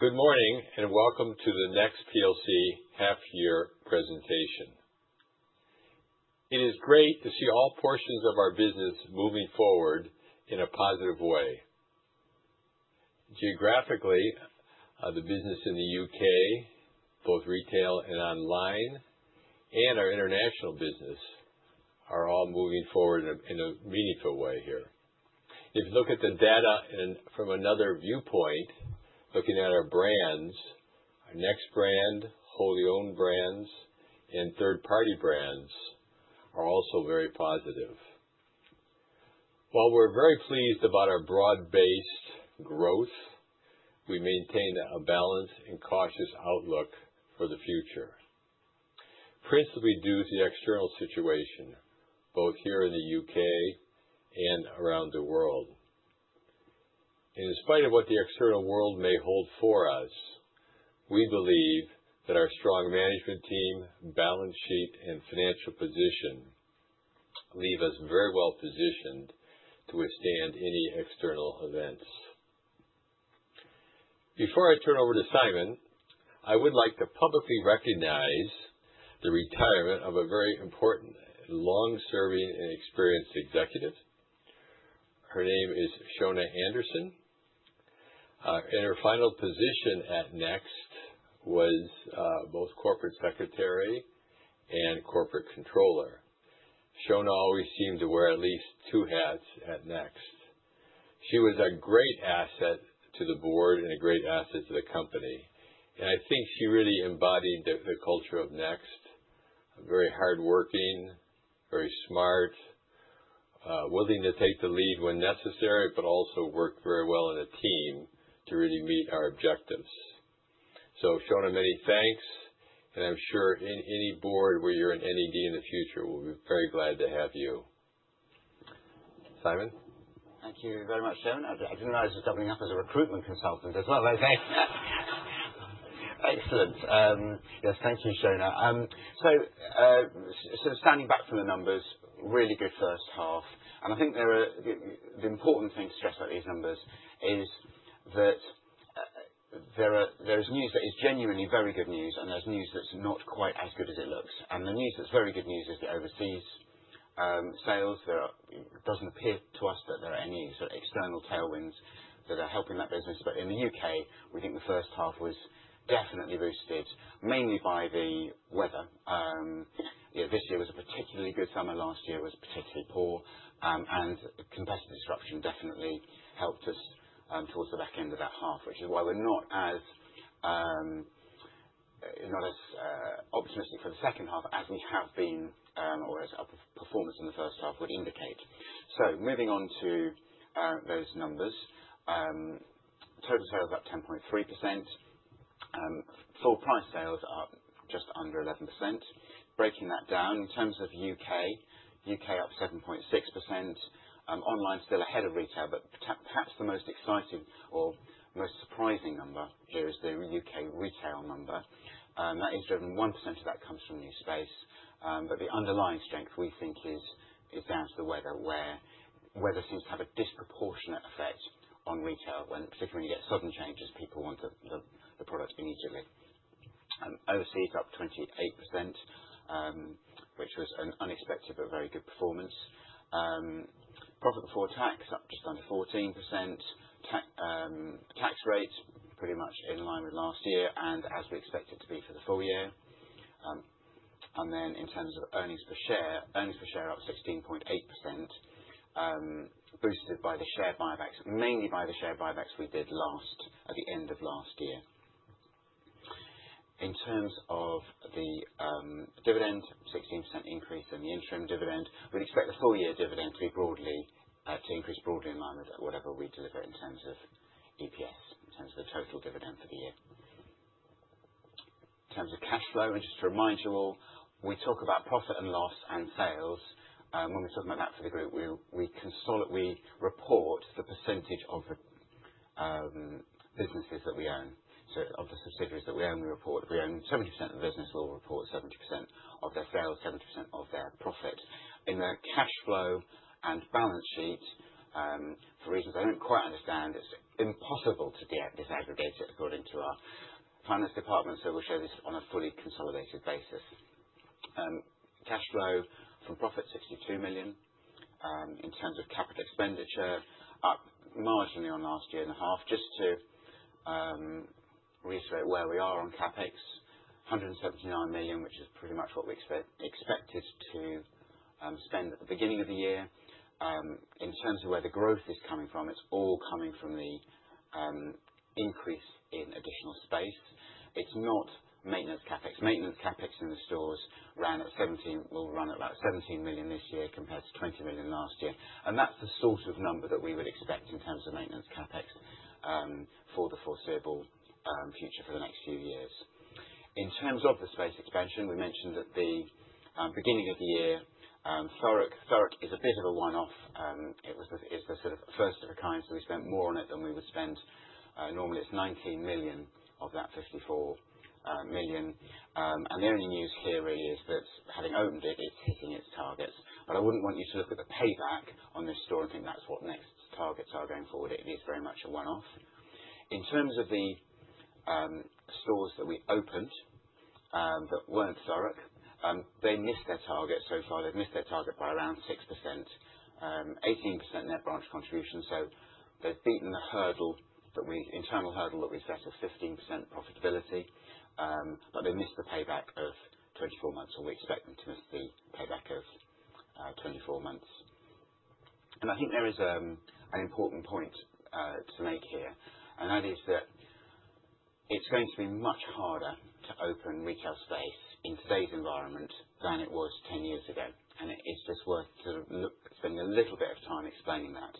Good morning and welcome to the NEXT plc half-year presentation. It is great to see all portions of our business moving forward in a positive way. Geographically, the business in the U.K., both Retail and Online, and our International business are all moving forward in a meaningful way here. If you look at the data from another viewpoint, looking at our brands, our NEXT brand, wholly-owned brands, and third-party brands are also very positive. While we're very pleased about our broad-based growth, we maintain a balanced and cautious outlook for the future. Principally due to the external situation, both here in the U.K. and around the world. In spite of what the external world may hold for us, we believe that our strong management team, balance sheet, and financial position leave us very well positioned to withstand any external events. Before I turn over to Simon, I would like to publicly recognize the retirement of a very important long-serving and experienced executive. Her name is Seonna Anderson. In her final position at NEXT, she was both corporate secretary and corporate controller. Seonna always seemed to wear at least two hats at NEXT. She was a great asset to the board and a great asset to the company. And I think she really embodied the culture of NEXT: very hardworking, very smart, willing to take the lead when necessary, but also worked very well in a team to really meet our objectives. So, Seonna, many thanks. And I'm sure any board where you're in NED in the future will be very glad to have you. Simon? Thank you very much, Seonna. I didn't realize you were doubling up as a recruitment consultant as well. Okay. Excellent. Yes, thank you, Seonna. So, standing back from the numbers, really good first half. And I think the important thing to stress about these numbers is that there is news that is genuinely very good news, and there's news that's not quite as good as it looks. And the news that's very good news is the overseas sales. There doesn't appear to us that there are any sort of external tailwinds that are helping that business. But in the U.K., we think the first half was definitely boosted, mainly by the weather. This year was a particularly good summer. Last year was particularly poor. Competitive disruption definitely helped us towards the back end of that half, which is why we're not as optimistic for the second half as we have been or as our performance in the first half would indicate. Moving on to those numbers, total sales up 10.3%. Full-price sales are just under 11%. Breaking that down, in terms of UK, UK up 7.6%. Online still ahead of Retail, but perhaps the most exciting or most surprising number here is the UK Retail number. That is driven. 1% of that comes from new space. The underlying strength we think is down to the weather, where weather seems to have a disproportionate effect on Retail, particularly when you get sudden changes. People want the product immediately. Overseas up 28%, which was an unexpected but very good performance. Profit before tax up just under 14%. Tax rates pretty much in line with last year and as we expected to be for the full year. And then in terms of earnings per share, earnings per share up 16.8%, boosted by the share buybacks, mainly by the share buybacks we did at the end of last year. In terms of the dividend, 16% increase in the interim dividend. We'd expect the full-year dividend to increase broadly in line with whatever we deliver in terms of EPS, in terms of the total dividend for the year. In terms of cash flow, and just to remind you all, we talk about profit and loss and sales. When we're talking about that for the group, we report the percentage of the businesses that we own, of the subsidiaries that we own. We report that we own 70% of the business. We'll report 70% of their sales, 70% of their profit. In the cash flow and balance sheet, for reasons I don't quite understand, it's impossible to disaggregate it according to our finance department, so we'll show this on a fully consolidated basis. Cash flow from profit, 62 million. In terms of capital expenditure, up marginally on last year and a half, just to reiterate where we are on CapEx, 179 million, which is pretty much what we expected to spend at the beginning of the year. In terms of where the growth is coming from, it's all coming from the increase in additional space. It's not maintenance CapEx. Maintenance CapEx in the stores ran at 17 million, will run at about 17 million this year compared to 20 million last year, and that's the sort of number that we would expect in terms of maintenance CapEx for the foreseeable future for the next few years. In terms of the space expansion, we mentioned at the beginning of the year, Thurrock is a bit of a one-off. It's the sort of first of a kind, so we spent more on it than we would spend normally. It's 19 million of that 54 million. And the only news here really is that having opened it, it's hitting its targets. But I wouldn't want you to look at the payback on this store and think that's what NEXT's targets are going forward. It is very much a one-off. In terms of the stores that we opened that weren't Thurrock, they missed their target so far. They've missed their target by around 6%, 18% in their branch contribution. So they've beaten the internal hurdle that we set of 15% profitability, but they missed the payback of 24 months, or we expect them to miss the payback of 24 months. I think there is an important point to make here, and that is that it's going to be much harder to open retail space in today's environment than it was 10 years ago. It's just worth spending a little bit of time explaining that.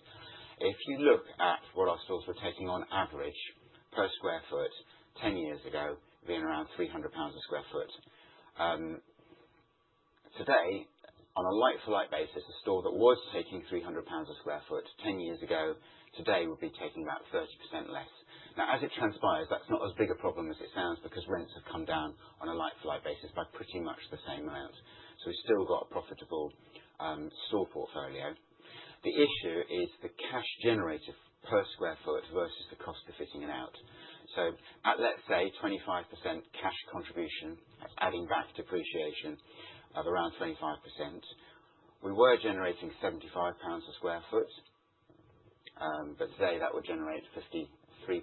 If you look at what our stores were taking on average per square foot 10 years ago, being around 300 pounds per sq ft, today, on a like-for-like basis, a store that was taking 300 pounds per sq ft 10 years ago today would be taking about 30% less. Now, as it transpires, that's not as big a problem as it sounds because rents have come down on a like-for-like basis by pretty much the same amount. So we've still got a profitable store portfolio. The issue is the cash generated per square foot versus the cost of fitting it out. At let's say 25% cash contribution, that's adding back depreciation of around 25%. We were generating 75 pounds a square foot, but today that would generate 53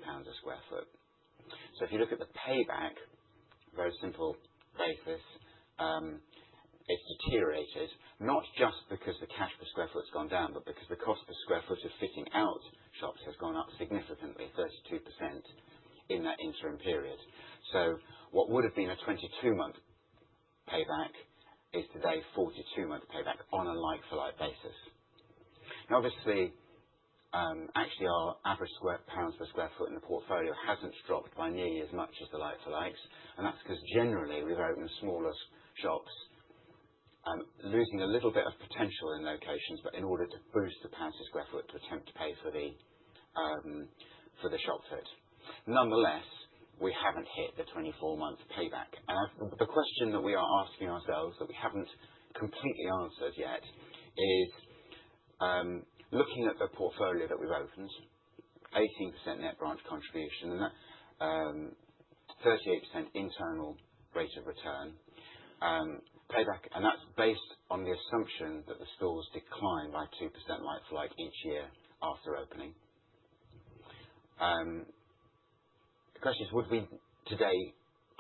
pounds a square foot. If you look at the payback, very simple basis, it's deteriorated, not just because the cash per square foot's gone down, but because the cost per square foot of fitting out shops has gone up significantly, 32% in that interim period. What would have been a 22-month payback is today 42-month payback on a like-for-like basis. Now, obviously, actually our average pounds per square foot in the portfolio hasn't dropped by nearly as much as the like-for-likes. That's because generally we've opened smaller shops, losing a little bit of potential in locations, but in order to boost the pounds per square foot to attempt to pay for the shop fit-out. Nonetheless, we haven't hit the 24-month payback. The question that we are asking ourselves that we haven't completely answered yet is looking at the portfolio that we've opened, 18% net branch contribution, 38% internal rate of return, payback, and that's based on the assumption that the stores decline by 2% like-for-like each year after opening. The question is, would we today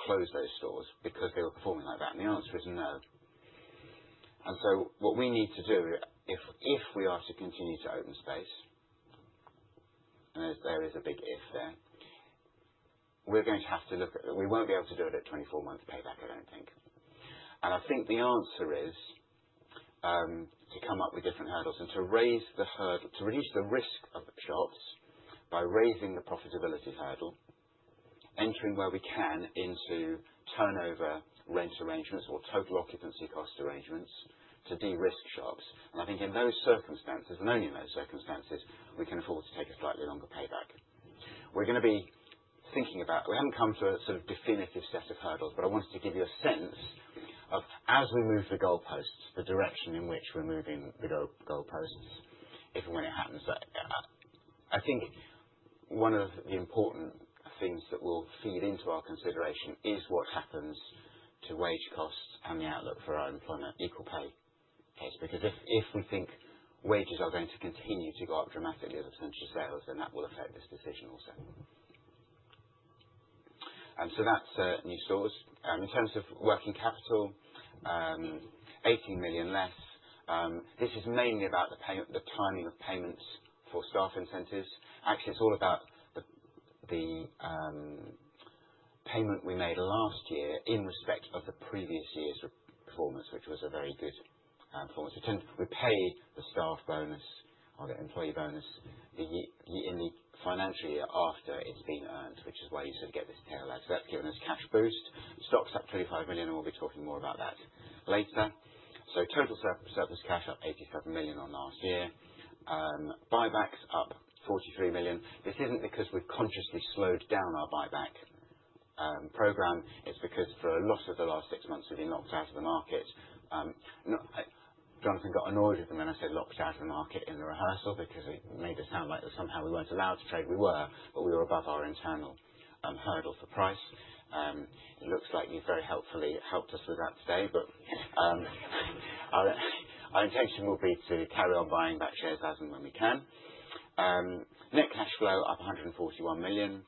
close those stores because they were performing like that? And the answer is no. And so what we need to do, if we are to continue to open space, and there is a big if there, we're going to have to look at, we won't be able to do it at 24-month payback, I don't think. And I think the answer is to come up with different hurdles and to reduce the risk of shops by raising the profitability hurdle, entering where we can into turnover rent arrangements or total occupancy cost arrangements to de-risk shops. And I think in those circumstances, and only in those circumstances, we can afford to take a slightly longer payback. We're going to be thinking about we haven't come to a sort of definitive set of hurdles, but I wanted to give you a sense of, as we move the goalposts, the direction in which we're moving the goalposts, if and when it happens. I think one of the important things that will feed into our consideration is what happens to wage costs and the outlook for our employment equal pay case. Because if we think wages are going to continue to go up dramatically as a percentage of sales, then that will affect this decision also, and so that's new stores. In terms of working capital, 18 million less. This is mainly about the timing of payments for staff incentives. Actually, it's all about the payment we made last year in respect of the previous year's performance, which was a very good performance. We pay the staff bonus or the employee bonus in the financial year after it's been earned, which is why you sort of get this tail lag, so that's given us cash boost. Stocks up 25 million, and we'll be talking more about that later, so total surplus cash up 87 million on last year. Buybacks up 43 million. This isn't because we've consciously slowed down our buyback program. It's because for a lot of the last six months, we've been locked out of the market. Jonathan got annoyed with me when I said locked out of the market in the rehearsal because it made us sound like somehow we weren't allowed to trade. We were, but we were above our internal hurdle for price. It looks like you've very helpfully helped us with that today, but our intention will be to carry on buying back shares as and when we can. Net cash flow up 141 million.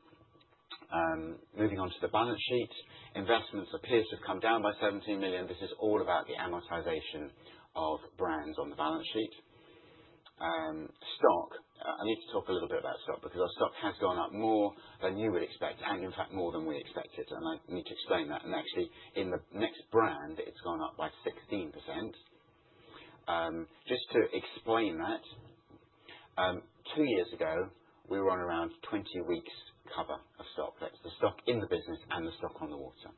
Moving on to the balance sheet, investments appear to have come down by 17 million. This is all about the amortization of brands on the balance sheet. Stock, I need to talk a little bit about stock because our stock has gone up more than you would expect, and in fact, more than we expected. And I need to explain that. Actually, in the NEXT brand, it's gone up by 16%. Just to explain that, two years ago, we were on around 20 weeks cover of stock. That's the stock in the business and the stock on the water.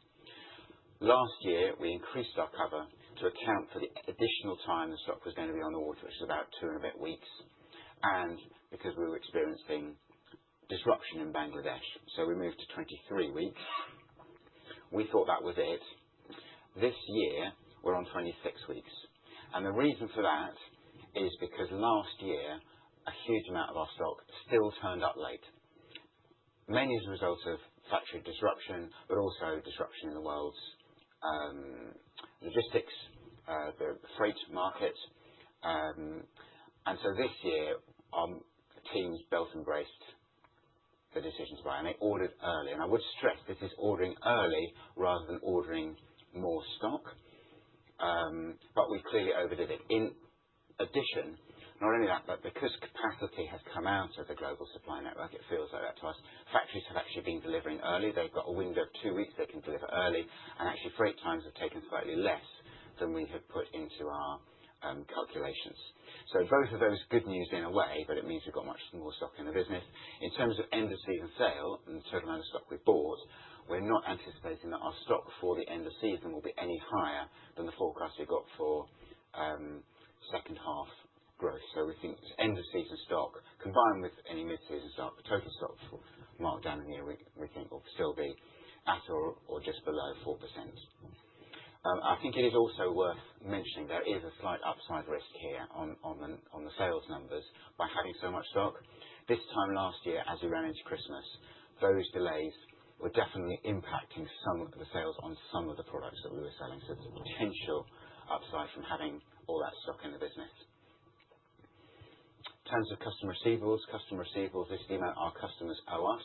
Last year, we increased our cover to account for the additional time the stock was going to be on the water, which is about two and a bit weeks. And because we were experiencing disruption in Bangladesh, so we moved to 23 weeks. We thought that was it. This year, we're on 26 weeks. And the reason for that is because last year, a huge amount of our stock still turned up late, mainly as a result of factory disruption, but also disruption in the world's logistics, the freight market. And so this year, our team has embraced the belt and braces decision to buy, and they ordered early. And I would stress this is ordering early rather than ordering more stock, but we clearly overdid it. In addition, not only that, but because capacity has come out of the global supply network, it feels like that to us, factories have actually been delivering early. They've got a window of two weeks. They can deliver early. And actually, freight times have taken slightly less than we have put into our calculations. So both of those are good news in a way, but it means we've got much more stock in the business. In terms of end-of-season sale and the total amount of stock we bought, we're not anticipating that our stock for the end of season will be any higher than the forecast we got for second half growth. We think end-of-season stock, combined with any mid-season stock, the total stock marked down in the year, we think will still be at or just below 4%. I think it is also worth mentioning there is a slight upside risk here on the sales numbers by having so much stock. This time last year, as we ran into Christmas, those delays were definitely impacting some of the sales on some of the products that we were selling. So there's a potential upside from having all that stock in the business. In terms of customer receivables, customer receivables, this is the amount our customers owe us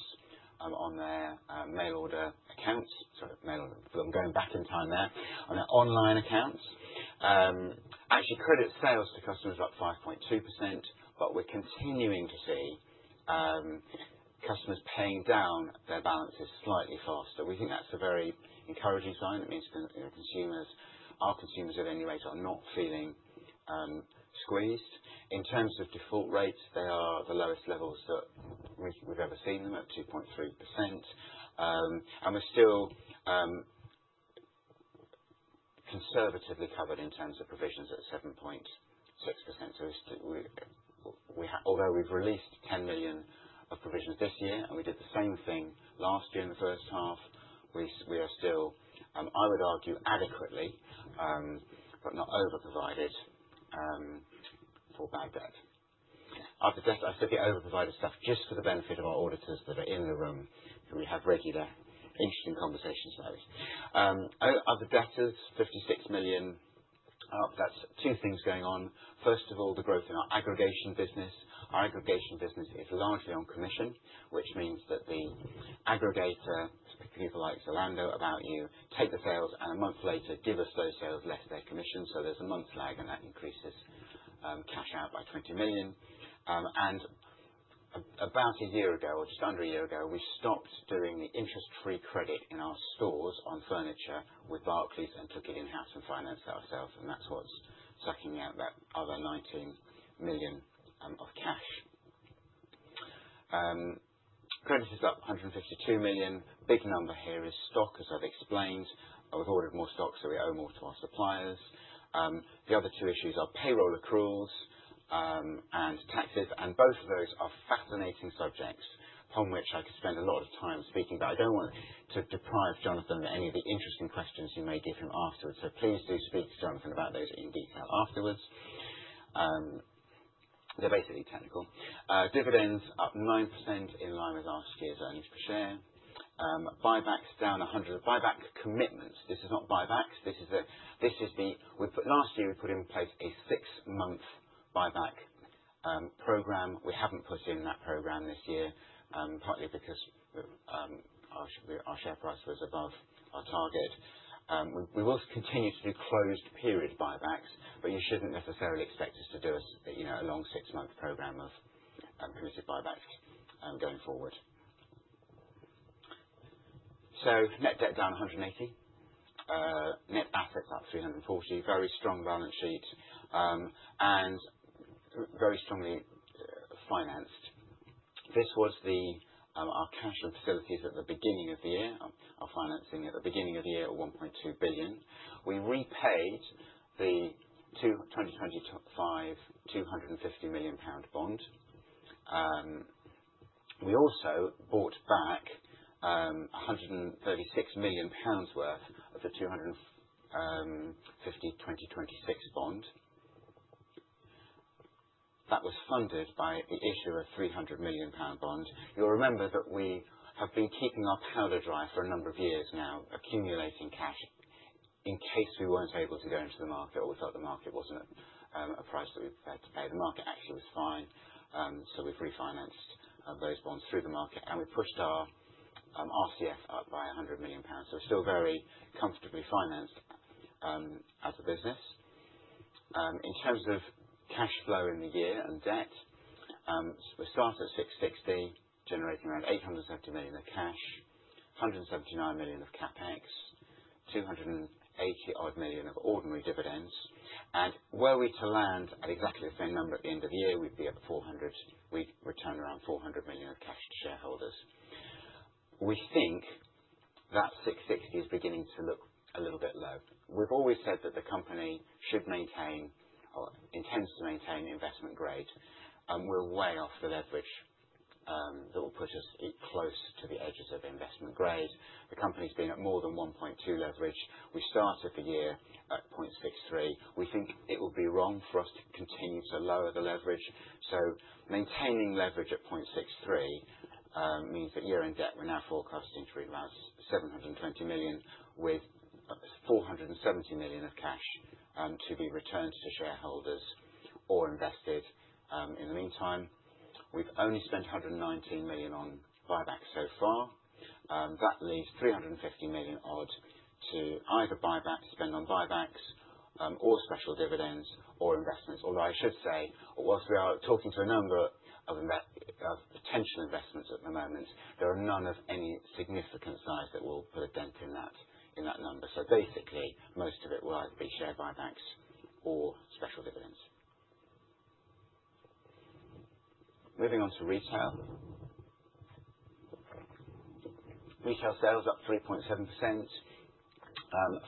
on their mail order accounts. Sorry, mail order. I'm going back in time there. On their online accounts. Actually, credit sales to customers are up 5.2%, but we're continuing to see customers paying down their balances slightly faster. We think that's a very encouraging sign. That means our consumers, at any rate, are not feeling squeezed. In terms of default rates, they are the lowest levels that we've ever seen them at 2.3%, and we're still conservatively covered in terms of provisions at 7.6%. Although we've released 10 million of provisions this year, and we did the same thing last year in the first half, we are still, I would argue, adequately, but not over-provided for bad debt. I said the over-provided stuff just for the benefit of our auditors that are in the room, who we have regular interesting conversations about. Other debtors, 56 million. That's two things going on. First of all, the growth in our aggregation business. Our aggregation business is largely on commission, which means that the aggregator, speaking of the likes of Zalando, About You, take the sales, and a month later, give us those sales less their commission. So there's a month's lag, and that increases cash out by 20 million. And about a year ago, or just under a year ago, we stopped doing the interest-free credit in our stores on furniture with Barclays and took it in-house and financed ourselves. And that's what's sucking out that other 19 million of cash. Credit is up 152 million. Big number here is stock, as I've explained. We've ordered more stock, so we owe more to our suppliers. The other two issues are payroll accruals and taxes. And both of those are fascinating subjects upon which I could spend a lot of time speaking about. I don't want to deprive Jonathan of any of the interesting questions you may give him afterwards. So please do speak to Jonathan about those in detail afterwards. They're basically technical. Dividends up 9% in line with last year's earnings per share. Buybacks down 100. Buyback commitments. This is not buybacks. This is the last year, we put in place a six-month buyback program. We haven't put in that program this year, partly because our share price was above our target. We will continue to do closed-period buybacks, but you shouldn't necessarily expect us to do a long six-month program of committed buybacks going forward. So net debt down 180 million. Net assets up 340 million. Very strong balance sheet and very strongly financed. This was our cash and facilities at the beginning of the year. Our financing at the beginning of the year at 1.2 billion. We repaid the 2025 250 million pound bond. We also bought back 136 million pounds worth of the 250 million 2026 bond. That was funded by the issue of a 300 million pound bond. You'll remember that we have been keeping our powder dry for a number of years now, accumulating cash in case we weren't able to go into the market or we felt the market wasn't at a price that we'd be prepared to pay. The market actually was fine, so we've refinanced those bonds through the market, and we pushed our RCF up by 100 million pounds, so we're still very comfortably financed as a business. In terms of cash flow in the year and debt, we started at 660 million, generating around 870 million of cash, 179 million of CapEx, 285 million of ordinary dividends. Were we to land at exactly the same number at the end of the year, we'd be at 400 million. We'd return around 400 million of cash to shareholders. We think that 660 million is beginning to look a little bit low. We've always said that the company should maintain or intends to maintain investment grade. We're way off the leverage that will put us close to the edges of investment grade. The company's been at more than 1.2x leverage. We started the year at 0.63x. We think it would be wrong for us to continue to lower the leverage. Maintaining leverage at 0.63x means that year-end debt we're now forecasting to read about 720 million with 470 million of cash to be returned to shareholders or invested in the meantime. We've only spent 119 million on buybacks so far. That leaves 350 million odd to either spend on buybacks or special dividends or investments. Although I should say, whilst we are talking to a number of potential investments at the moment, there are none of any significant size that will put a dent in that number. So basically, most of it will either be share buybacks or special dividends. Moving on to Retail. Retail sales up 3.7%.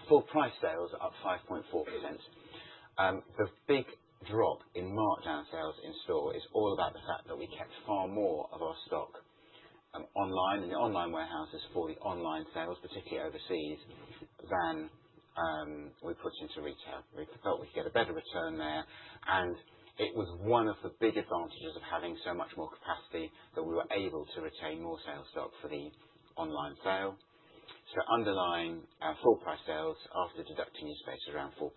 Full-price sales up 5.4%. The big drop in markdown sales in store is all about the fact that we kept far more of our stock online in the Online warehouses for the Online sales, particularly overseas, than we put into Retail. We felt we could get a better return there, and it was one of the big advantages of having so much more capacity that we were able to retain more sales stock for the Online sale. So, underlying full-price sales after deducting use space is around 4.2%.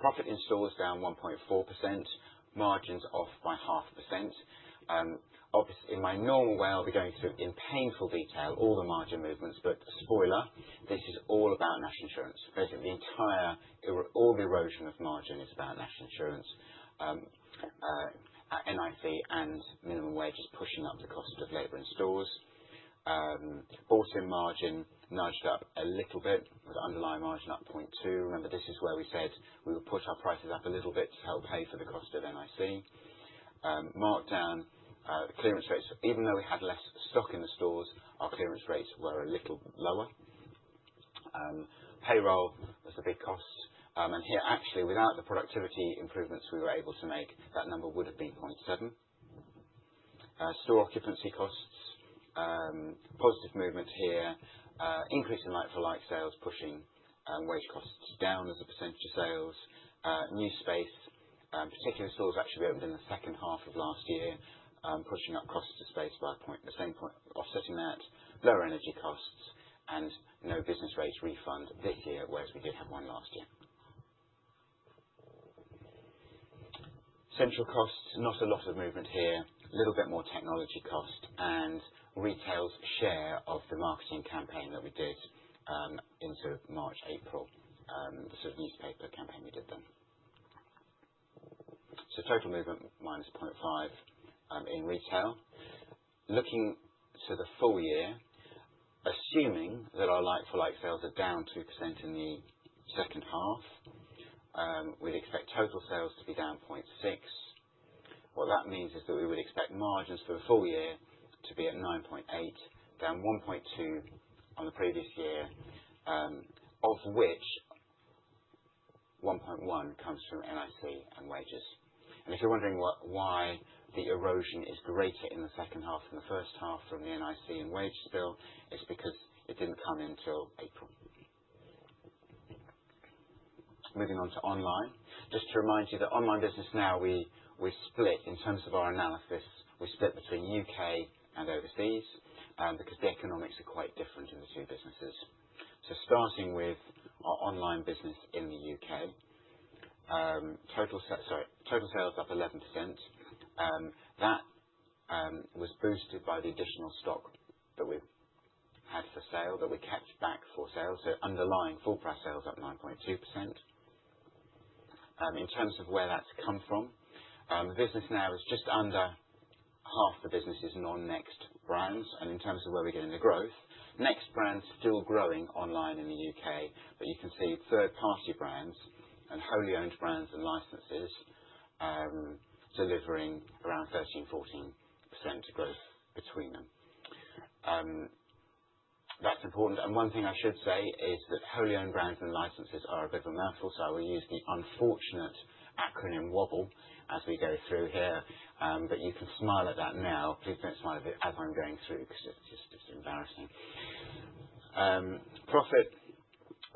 Profit in stores down 1.4%. Margins off by 0.5%. In my normal way, I'll be going through in painful detail all the margin movements. But spoiler, this is all about national insurance. Basically, all the erosion of margin is about national insurance, NIC, and minimum wages pushing up the cost of labor in stores. Bought-in margin nudged up a little bit with underlying margin up 0.2%. Remember, this is where we said we would push our prices up a little bit to help pay for the cost of NIC. Markdown, clearance rates. Even though we had less stock in the stores, our clearance rates were a little lower. Payroll was a big cost. And here, actually, without the productivity improvements we were able to make, that number would have been 0.7%. Store occupancy costs. Positive movement here. Increase in like-for-like sales pushing wage costs down as a percentage of sales. New space. Particular stores actually opened in the second half of last year, pushing up cost of space by the same point, offsetting that. Lower energy costs and no business rates refund this year, whereas we did have one last year. Central costs. Not a lot of movement here. A little bit more technology cost and Retail's share of the marketing campaign that we did into March, April, the sort of newspaper campaign we did then. So total movement -0.5% in Retail. Looking to the full year, assuming that our like-for-like sales are down 2% in the second half, we'd expect total sales to be down 0.6%. What that means is that we would expect margins for the full year to be at 9.8%, down 1.2% on the previous year, of which 1.1% comes from NIC and wages, and if you're wondering why the erosion is greater in the second half than the first half from the NIC and wages bill, it's because it didn't come until April. Moving on to Online. Just to remind you that Online business now, we split in terms of our analysis. We split between U.K. and overseas because the economics are quite different in the two businesses. So starting with our Online business in the U.K., total sales up 11%. That was boosted by the additional stock that we had for sale that we kept back for sale. So underlying full-price sales up 9.2%. In terms of where that's come from, the business now is just under half the business is non-NEXT brands. In terms of where we get into growth, NEXT brands still growing online in the U.K., but you can see third-party brands and wholly-owned brands and licenses delivering around 13%-14% growth between them. That's important. One thing I should say is that wholly-owned brands and licenses are a bit of a mouthful, so I will use the unfortunate acronym WOBL as we go through here. But you can smile at that now. Please don't smile at it as I'm going through because it's just embarrassing. Profit.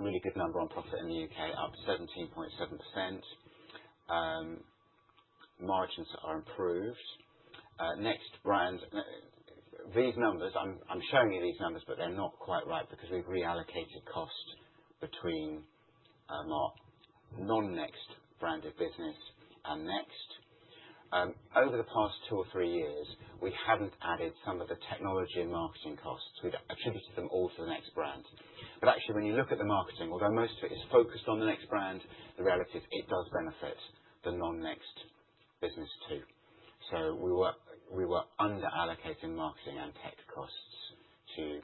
Really good number on profit in the U.K., up 17.7%. Margins are improved. These numbers, I'm showing you these numbers, but they're not quite right because we've reallocated cost between our non-NEXT branded business and NEXT. Over the past two or three years, we haven't added some of the technology and marketing costs. We've attributed them all to the NEXT brand. But actually, when you look at the marketing, although most of it is focused on the NEXT brand, the reality is it does benefit the non-NEXT business too. So we were under-allocating marketing and tech costs to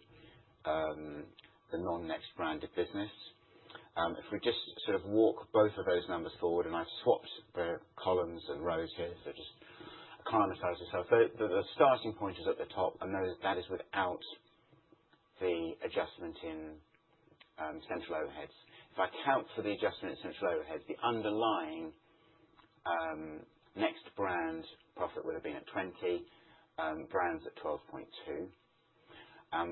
the non-NEXT branded business. If we just sort of walk both of those numbers forward, and I've swapped the columns and rows here, so just familiarize yourself. The starting point is at the top, and that is without the adjustment in central overheads. If I account for the adjustment in central overheads, the underlying NEXT brand profit would have been at 20, million brands at 12.2%.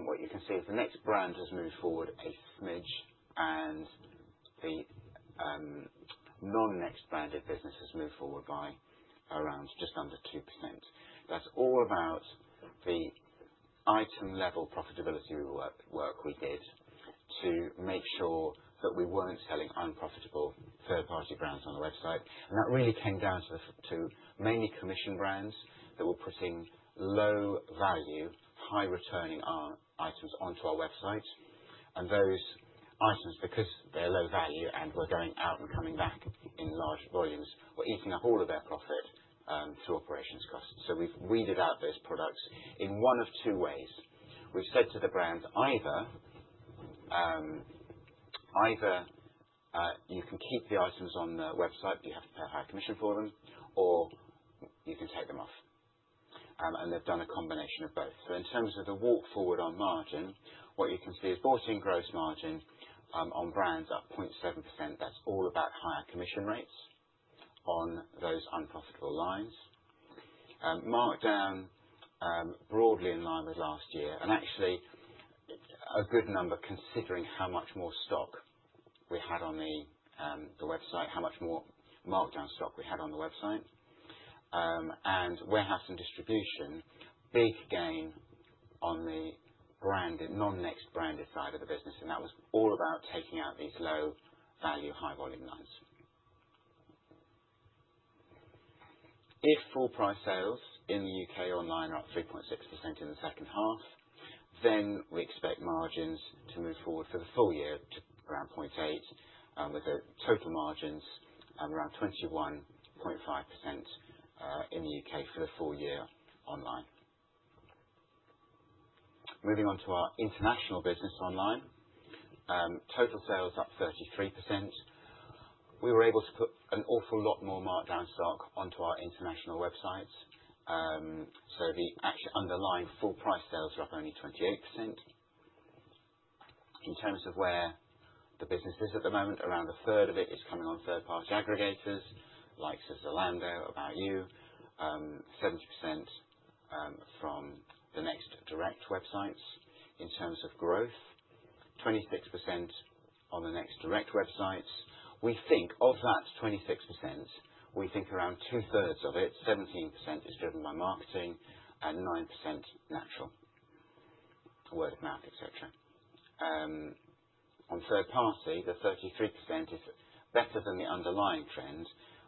What you can see is the NEXT brand has moved forward a smidge, and the non-NEXT branded business has moved forward by around just under 2%. That's all about the item-level profitability work we did to make sure that we weren't selling unprofitable third-party brands on the website, and that really came down to mainly commission brands that were putting low-value, high-returning items onto our website, and those items, because they're low-value and we're going out and coming back in large volumes, were eating up all of their profit through operations costs. So we've weeded out those products in one of two ways. We've said to the brands, either you can keep the items on the website, but you have to pay a higher commission for them, or you can take them off, and they've done a combination of both. In terms of the walk forward on margin, what you can see is bought-in gross margin on brands up 0.7%. That's all about higher commission rates on those unprofitable lines. Markdown broadly in line with last year, and actually a good number considering how much more stock we had on the website, how much more markdown stock we had on the website. Warehouse and distribution, big gain on the non-NEXT branded side of the business. That was all about taking out these low-value, high-volume lines. If full-price sales in the UK Online are up 3.6% in the second half, then we expect margins to move forward for the full year to around 0.8%, with total margins around 21.5% in the U.K. for the full year Online. Moving on to our International business Online. Total sales up 33%. We were able to put an awful lot more markdown stock onto our international websites, so the actual underlying full-price sales are up only 28%. In terms of where the business is at the moment, around 1/3 of it is coming on third-party aggregators like Zalando, About You, 70% from the NEXT direct websites. In terms of growth, 26% on the NEXT direct websites. Of that 26%, we think around 2/3 of it, 17%, is driven by marketing and 9% natural, word of mouth, etc. On third-party, the 33% is better than the underlying trend.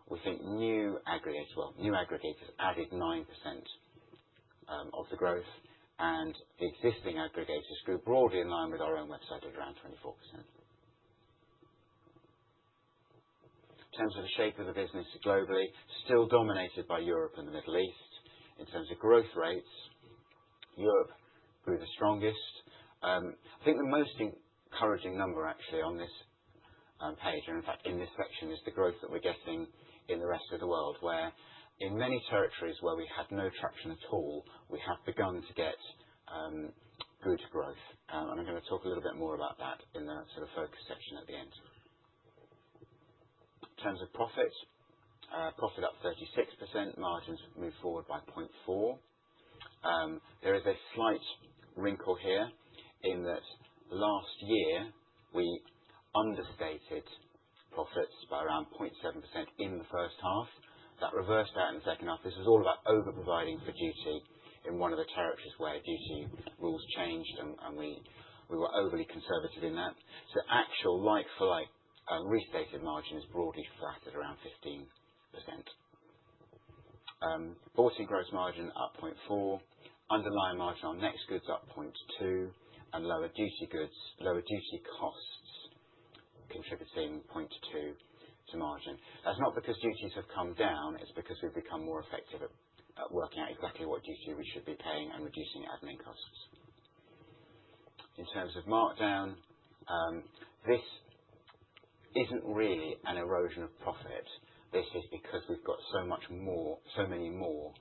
We think new aggregators added 9% of the growth, and the existing aggregators grew broadly in line with our own website at around 24%. In terms of the shape of the business globally, still dominated by Europe and the Middle East. In terms of growth rates, Europe grew the strongest. I think the most encouraging number, actually, on this page and, in fact, in this section, is the growth that we're getting in the rest of the world, where in many territories where we had no traction at all, we have begun to get good growth, and I'm going to talk a little bit more about that in the sort of focus section at the end. In terms of profit, profit up 36%. Margins moved forward by 0.4x. There is a slight wrinkle here in that last year we understated profits by around 0.7% in the first half. That reversed out in the second half. This was all about over-providing for duty in one of the territories where duty rules changed, and we were overly conservative in that. So actual like-for-like restated margin is broadly flat at around 15%. Bought-in gross margin up 0.4x. Underlying margin on NEXT goods up 0.2, and lower duty costs contributing 0.2x to margin. That's not because duties have come down. It's because we've become more effective at working out exactly what duty we should be paying and reducing admin costs. In terms of markdown, this isn't really an erosion of profit. This is because we've got so many more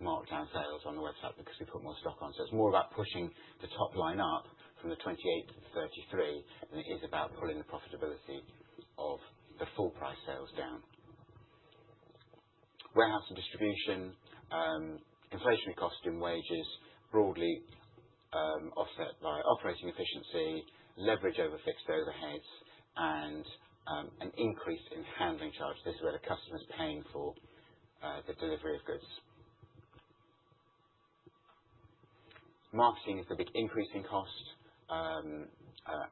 markdown sales on the website because we put more stock on. So it's more about pushing the top line up from the 28 to the 33 than it is about pulling the profitability of the full-price sales down. Warehouse and distribution, inflationary costs in wages, broadly offset by operating efficiency, leverage over fixed overheads, and an increase in handling charges. This is where the customer's paying for the delivery of goods. Marketing is the big increasing cost,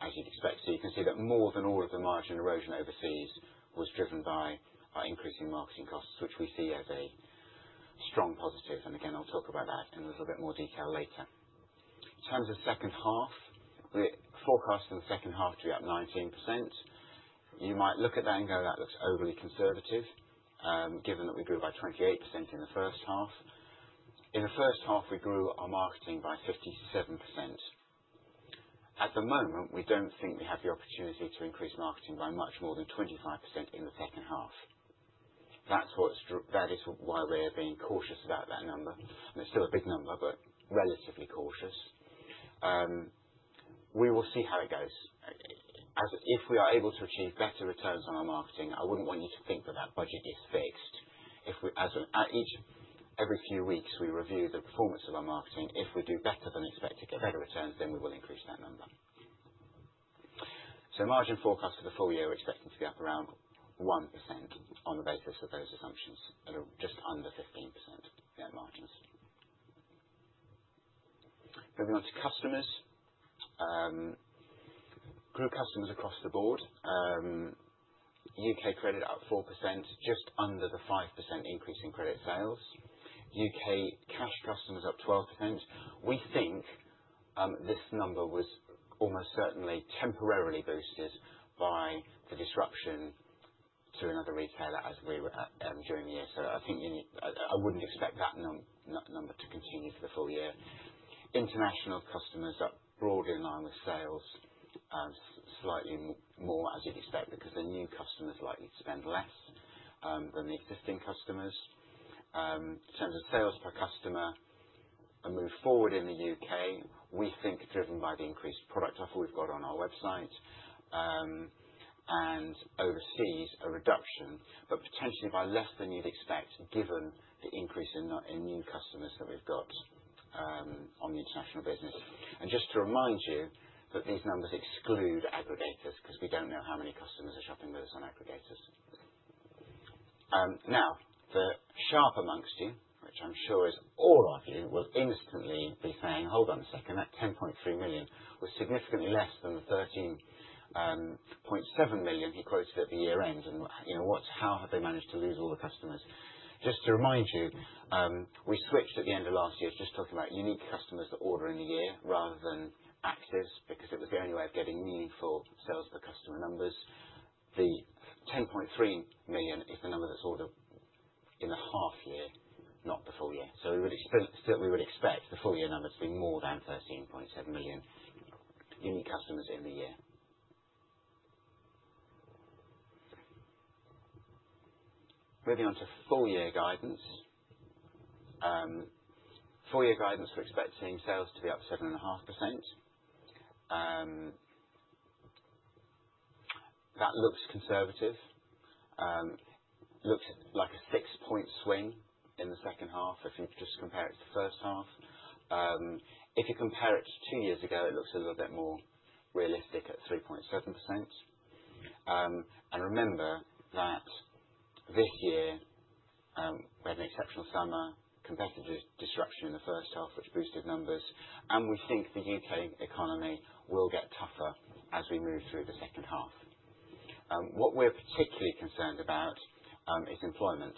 as you'd expect. So you can see that more than all of the margin erosion overseas was driven by increasing marketing costs, which we see as a strong positive. And again, I'll talk about that in a little bit more detail later. In terms of second half, we forecast for the second half to be up 19%. You might look at that and go, "That looks overly conservative," given that we grew by 28% in the first half. In the first half, we grew our marketing by 57%. At the moment, we don't think we have the opportunity to increase marketing by much more than 25% in the second half. That is why we're being cautious about that number. And it's still a big number, but relatively cautious. We will see how it goes. If we are able to achieve better returns on our marketing, I wouldn't want you to think that that budget is fixed. Every few weeks, we review the performance of our marketing. If we do better than expect to get better returns, then we will increase that number. So, margin forecast for the full year, we're expecting to be up around 1% on the basis of those assumptions, just under 15% net margins. Moving on to customers. Group customers across the board. U.K. credit up 4%, just under the 5% increase in credit sales. U.K. cash customers up 12%. We think this number was almost certainly temporarily boosted by the disruption to another retailer during the year. So I wouldn't expect that number to continue for the full year. International customers up broadly in line with sales, slightly more as you'd expect because the new customers likely to spend less than the existing customers. In terms of sales per customer, a move forward in the U.K., we think driven by the increased product offer we've got on our website. And overseas, a reduction, but potentially by less than you'd expect given the increase in new customers that we've got on the international business. And just to remind you that these numbers exclude aggregators because we don't know how many customers are shopping with us on aggregators. Now, the sharp amongst you, which I'm sure is all of you, will instantly be saying, "Hold on a second. That 10.3 million was significantly less than the 13.7 million he quoted at the year-end. And how have they managed to lose all the customers?" Just to remind you, we switched at the end of last year to just talk about unique customers that order in the year rather than active because it was the only way of getting meaningful sales per customer numbers. The 10.3 million is the number that's ordered in the half year, not the full year. So we would expect the full-year number to be more than 13.7 million unique customers in the year. Moving on to full-year guidance. Full-year guidance, we're expecting sales to be up 7.5%. That looks conservative. Looks like a six-point swing in the second half if you just compare it to the first half. If you compare it to two years ago, it looks a little bit more realistic at 3.7%. And remember that this year, we had an exceptional summer, competitive disruption in the first half, which boosted numbers. And we think the U.K. economy will get tougher as we move through the second half. What we're particularly concerned about is employment.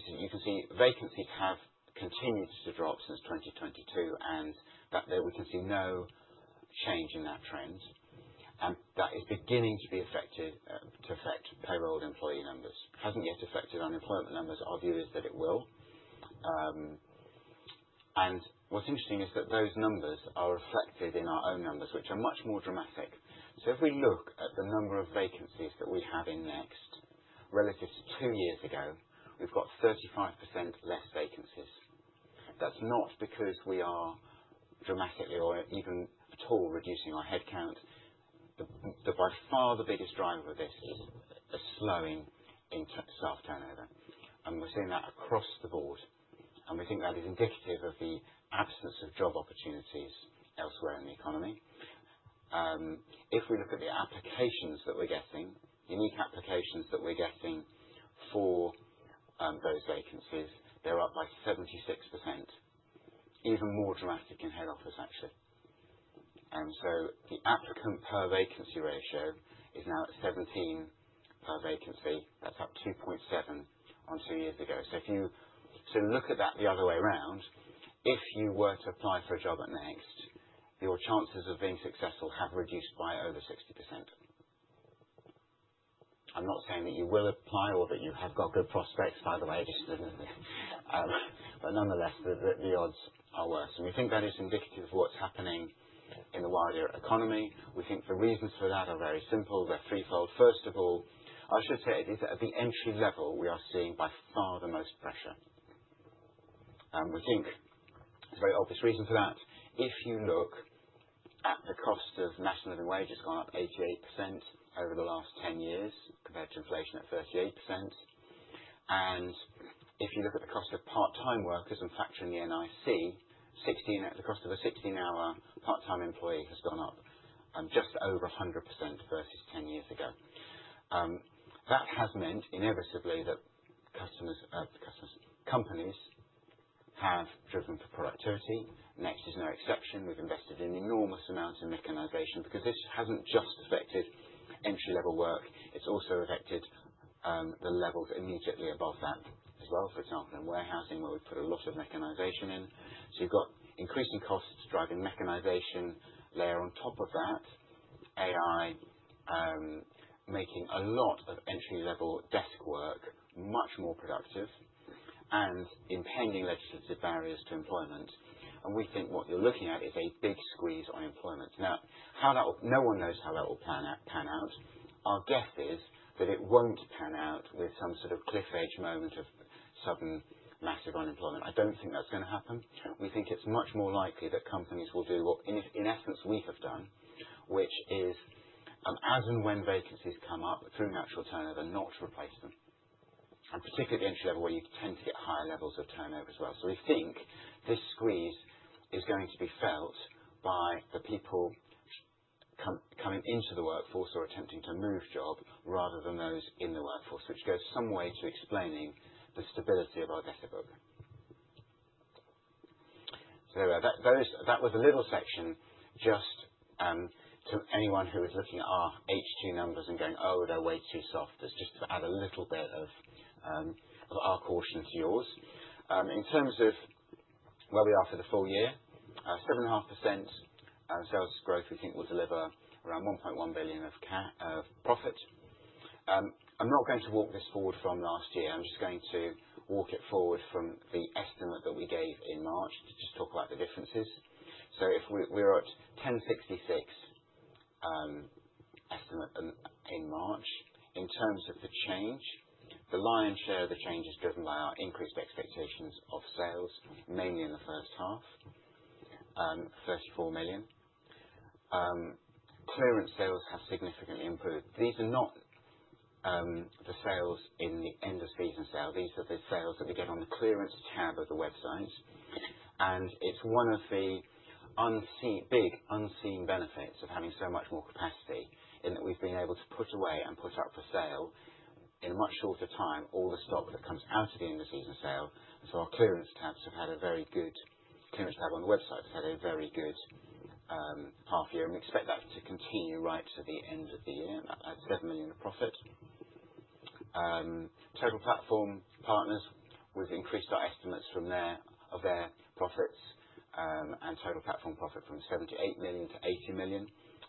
So you can see vacancies have continued to drop since 2022, and we can see no change in that trend. And that is beginning to affect payroll and employee numbers. Hasn't yet affected unemployment numbers. Our view is that it will. And what's interesting is that those numbers are reflected in our own numbers, which are much more dramatic. So if we look at the number of vacancies that we have in NEXT relative to two years ago, we've got 35% less vacancies. That's not because we are dramatically or even at all reducing our headcount. By far, the biggest driver of this is a slowing in staff turnover. And we're seeing that across the board. And we think that is indicative of the absence of job opportunities elsewhere in the economy. If we look at the applications that we're getting, unique applications that we're getting for those vacancies, they're up by 76%. Even more dramatic in head office, actually. And so the applicant-per-vacancy ratio is now at 17 per vacancy. That's up 2.7 on two years ago. So look at that the other way around. If you were to apply for a job at NEXT, your chances of being successful have reduced by over 60%. I'm not saying that you will apply or that you have got good prospects, by the way, but nonetheless, the odds are worse. And we think that is indicative of what's happening in the wider economy. We think the reasons for that are very simple. They're threefold. First of all, I should say at the entry level, we are seeing by far the most pressure. We think there's a very obvious reason for that. If you look at the cost of National Living Wage gone up 88% over the last 10 years compared to inflation at 38%. And if you look at the cost of part-time workers and factor in the NIC, the cost of a 16-hour part-time employee has gone up just over 100% versus 10 years ago. That has meant inevitably that companies have driven for productivity. NEXT is no exception. We've invested in enormous amounts of mechanization because this hasn't just affected entry-level work. It's also affected the levels immediately above that as well. For example, in warehousing, where we've put a lot of mechanization in. You've got increasing costs driving mechanization. Layer on top of that, AI making a lot of entry-level desk work much more productive, and impending legislative barriers to employment. We think what you're looking at is a big squeeze on employment. Now, no one knows how that will pan out. Our guess is that it won't pan out with some sort of cliff edge moment of sudden massive unemployment. I don't think that's going to happen. We think it's much more likely that companies will do what, in essence, we have done, which is, as and when vacancies come up through natural turnover, not to replace them. And particularly at the entry level, where you tend to get higher levels of turnover as well. We think this squeeze is going to be felt by the people coming into the workforce or attempting to move jobs rather than those in the workforce, which goes some way to explaining the stability of our order book. That was a little section just to anyone who was looking at our H2 numbers and going, "Oh, they're way too soft." It's just to add a little bit of our caution to yours. In terms of where we are for the full year, 7.5% sales growth, we think will deliver around 1.1 billion of profit. I'm not going to walk this forward from last year. I'm just going to walk it forward from the estimate that we gave in March to just talk about the differences. So we're at 1,066 estimate in March. In terms of the change, the lion's share of the change is driven by our increased expectations of sales, mainly in the first half, 34 million. Clearance sales have significantly improved. These are not the sales in the end-of-season sale. These are the sales that we get on the clearance tab of the website. And it's one of the big unseen benefits of having so much more capacity in that we've been able to put away and put up for sale in a much shorter time all the stock that comes out of the end-of-season sale. And so our clearance tab on the website has had a very good half year. And we expect that to continue right to the end of the year, 7 million of profit. Total Platform partners, we increased our estimates of their profits and Total Platform profit from 78 million to 80 million.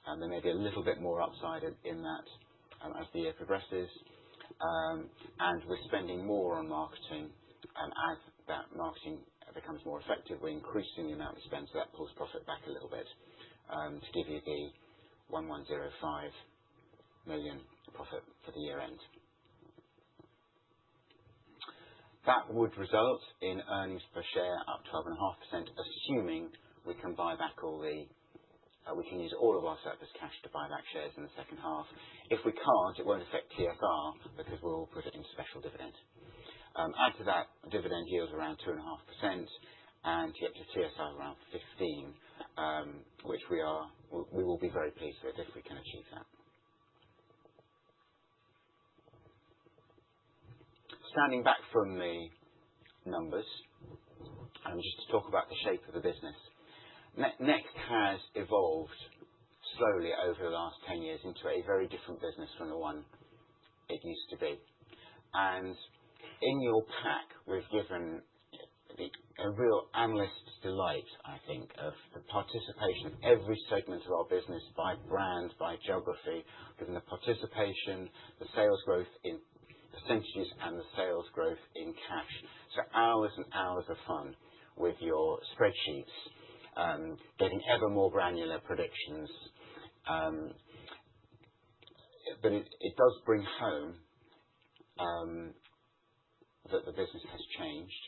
There may be a little bit more upside in that as the year progresses. We're spending more on marketing. As that marketing becomes more effective, we're increasing the amount we spend. That pulls profit back a little bit to give you the 110.5 million profit for the year-end. That would result in earnings per share up 12.5%, assuming we can buy back all that we can use all of our surplus cash to buy back shares in the second half. If we can't, it won't affect TSR because we'll put it into special dividend. Add to that dividend yield around 2.5% and you get to TSR around 15%, which we will be very pleased with if we can achieve that. Standing back from the numbers, just to talk about the shape of the business, NEXT has evolved slowly over the last 10 years into a very different business from the one it used to be, and in your pack, we've given a real analyst's delight, I think, of the participation of every segment of our business by brand, by geography, given the participation, the sales growth in percentages, and the sales growth in cash, so hours and hours of fun with your spreadsheets, getting ever more granular predictions, but it does bring home that the business has changed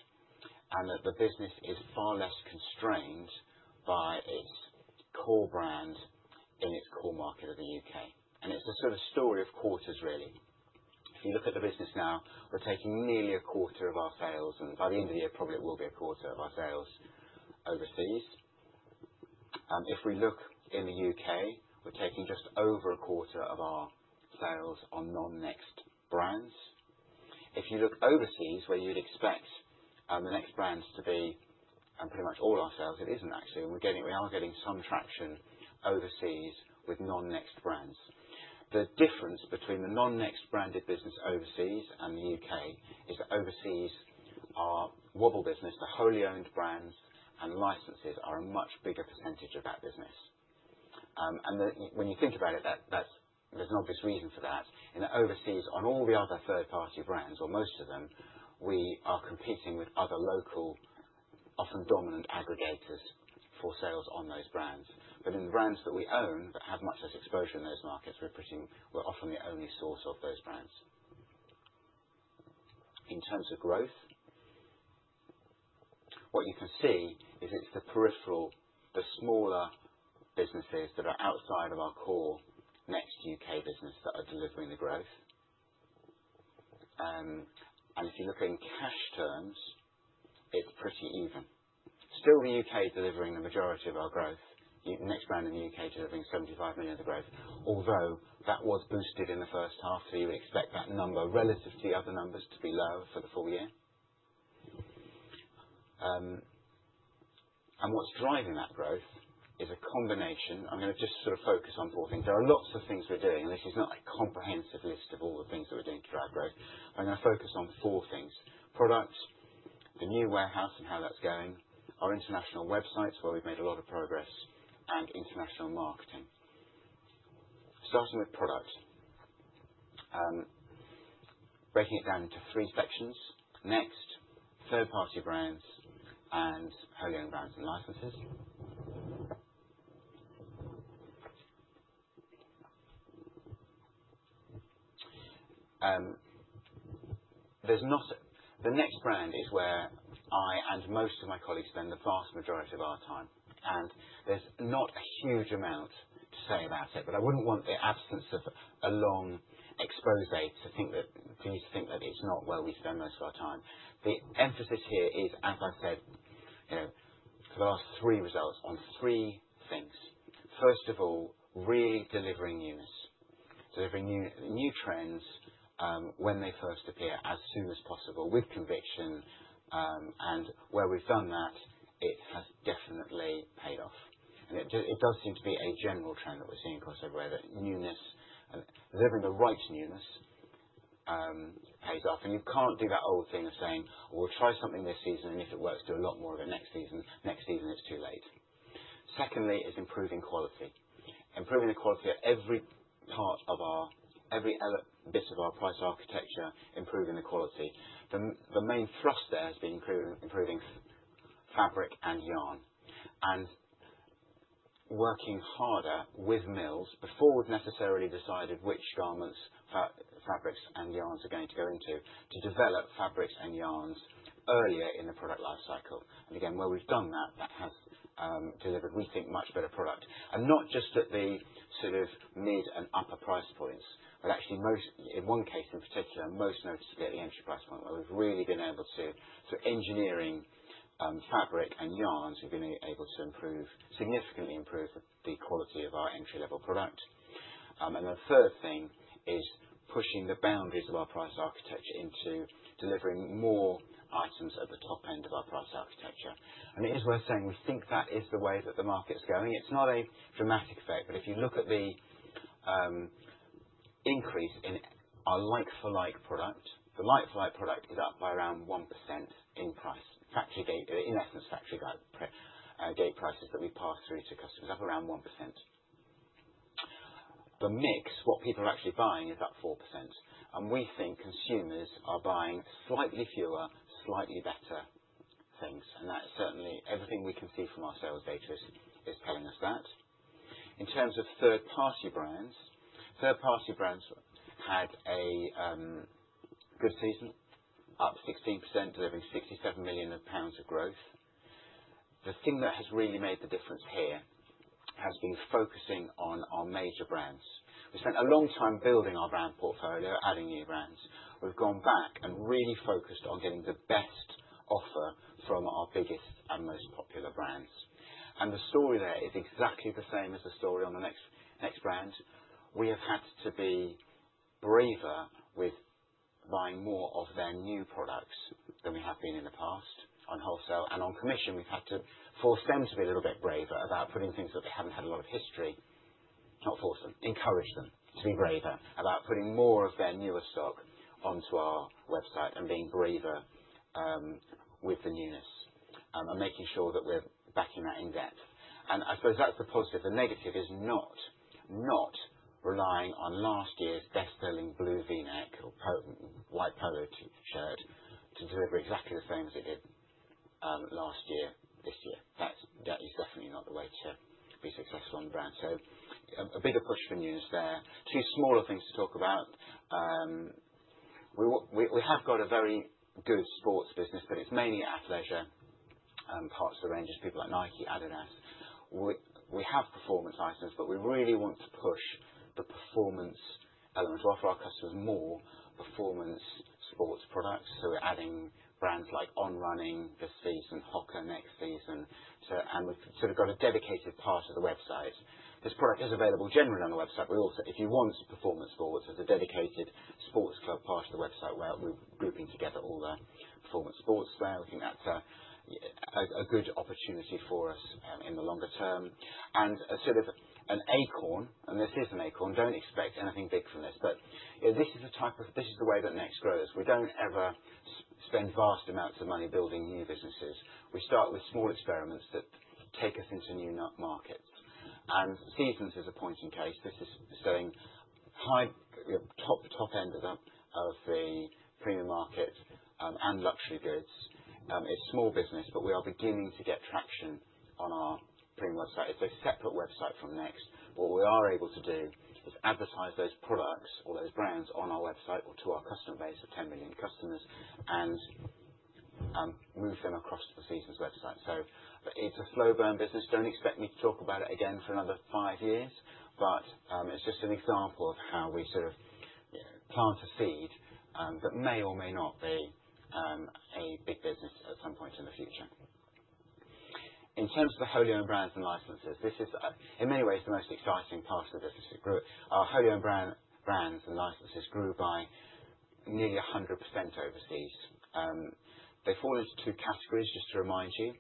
and that the business is far less constrained by its core brand in its core market of the UK, and it's a sort of story of quarters, really. If you look at the business now, we're taking nearly a quarter of our sales, and by the end of the year, probably it will be a quarter of our sales overseas. If we look in the U.K., we're taking just over a quarter of our sales on non-NEXT brands. If you look overseas, where you'd expect the NEXT brands to be pretty much all our sales, it isn't actually. And we are getting some traction overseas with non-NEXT brands. The difference between the non-NEXT branded business overseas and the U.K. is that overseas, our WOBL business, the wholly owned brands and licenses are a much bigger percentage of that business. And when you think about it, there's an obvious reason for that. Overseas, on all the other third-party brands, or most of them, we are competing with other local, often dominant aggregators for sales on those brands. But in the brands that we own that have much less exposure in those markets, we're often the only source of those brands. In terms of growth, what you can see is it's the peripheral, the smaller businesses that are outside of our core NEXT U.K. business that are delivering the growth. And if you look in cash terms, it's pretty even. Still, the U.K. is delivering the majority of our growth. NEXT brand in the U.K. is delivering 75 million of the growth, although that was boosted in the first half. So you would expect that number relative to the other numbers to be lower for the full year. And what's driving that growth is a combination. I'm going to just sort of focus on four things. There are lots of things we're doing, and this is not a comprehensive list of all the things that we're doing to drive growth. But I'm going to focus on four things: products, the new warehouse and how that's going, our international websites, where we've made a lot of progress, and international marketing. Starting with product, breaking it down into three sections: NEXT, third-party brands, and wholly owned brands and licenses. The NEXT brand is where I and most of my colleagues spend the vast majority of our time. And there's not a huge amount to say about it, but I wouldn't want the absence of a long exposé for you to think that it's not where we spend most of our time. The emphasis here is, as I've said, for the last three results on three things. First of all, really delivering news, delivering new trends when they first appear as soon as possible with conviction. And where we've done that, it has definitely paid off. And it does seem to be a general trend that we're seeing across everywhere that delivering the right newness pays off. And you can't do that old thing of saying, "We'll try something this season, and if it works, do a lot more of it next season." Next season, it's too late. Secondly is improving quality. Improving the quality of every part of our every bit of our price architecture, improving the quality. The main thrust there has been improving fabric and yarn. And working harder with mills before we've necessarily decided which garments, fabrics, and yarns are going to go into, to develop fabrics and yarns earlier in the product life cycle. Again, where we've done that, that has delivered, we think, much better product. Not just at the sort of mid and upper price points, but actually in one case in particular, most noticeably at the entry price point where we've really been able to sort of engineering fabric and yarns, we've been able to significantly improve the quality of our entry-level product. The third thing is pushing the boundaries of our price architecture into delivering more items at the top end of our price architecture. It is worth saying we think that is the way that the market's going. It's not a dramatic effect, but if you look at the increase in our like-for-like product, the like-for-like product is up by around 1% in price. In essence, factory gate prices that we pass through to customers up around 1%. The mix, what people are actually buying, is up 4%, and we think consumers are buying slightly fewer, slightly better things, and that's certainly everything we can see from our sales data is telling us that. In terms of third-party brands, third-party brands had a good season, up 16%, delivering 67 million pounds of growth. The thing that has really made the difference here has been focusing on our major brands. We spent a long time building our brand portfolio, adding new brands. We've gone back and really focused on getting the best offer from our biggest and most popular brands, and the story there is exactly the same as the story on the NEXT brand. We have had to be braver with buying more of their new products than we have been in the past on wholesale. On commission, we've had to force them to be a little bit braver about putting things that they haven't had a lot of history. Not force them, encourage them to be braver about putting more of their newer stock onto our website and being braver with the newness and making sure that we're backing that in depth. And I suppose that's the positive. The negative is not relying on last year's best-selling blue v-neck or white polo shirt to deliver exactly the same as it did last year this year. That is definitely not the way to be successful on brand. So a bigger push for newness there. Two smaller things to talk about. We have got a very good sports business, but it's mainly athleisure parts of the ranges, people like Nike, adidas. We have performance items, but we really want to push the performance element, to offer our customers more performance sports products. We're adding brands like On Running this season and Hoka next season. We've sort of got a dedicated part of the website. This product is available generally on the website. If you want performance sports, there's a dedicated sports club part of the website where we're grouping together all the performance sports there. We think that's a good opportunity for us in the longer term. Sort of an acorn, and this is an acorn. Don't expect anything big from this. This is the type of this is the way that NEXT grows. We don't ever spend vast amounts of money building new businesses. We start with small experiments that take us into new markets. Seasons is a case in point. This is selling top end of the premium market and luxury goods. It's small business, but we are beginning to get traction on our premium website. It's a separate website from NEXT. What we are able to do is advertise those products or those brands on our website or to our customer base of 10 million customers and move them across the Seasons website. So it's a slow-burn business. Don't expect me to talk about it again for another five years. But it's just an example of how we sort of plant a seed that may or may not be a big business at some point in the future. In terms of the wholly owned brands and licenses, this is, in many ways, the most exciting part of the business. Our wholly owned brands and licenses grew by nearly 100% overseas. They fall into two categories, just to remind you.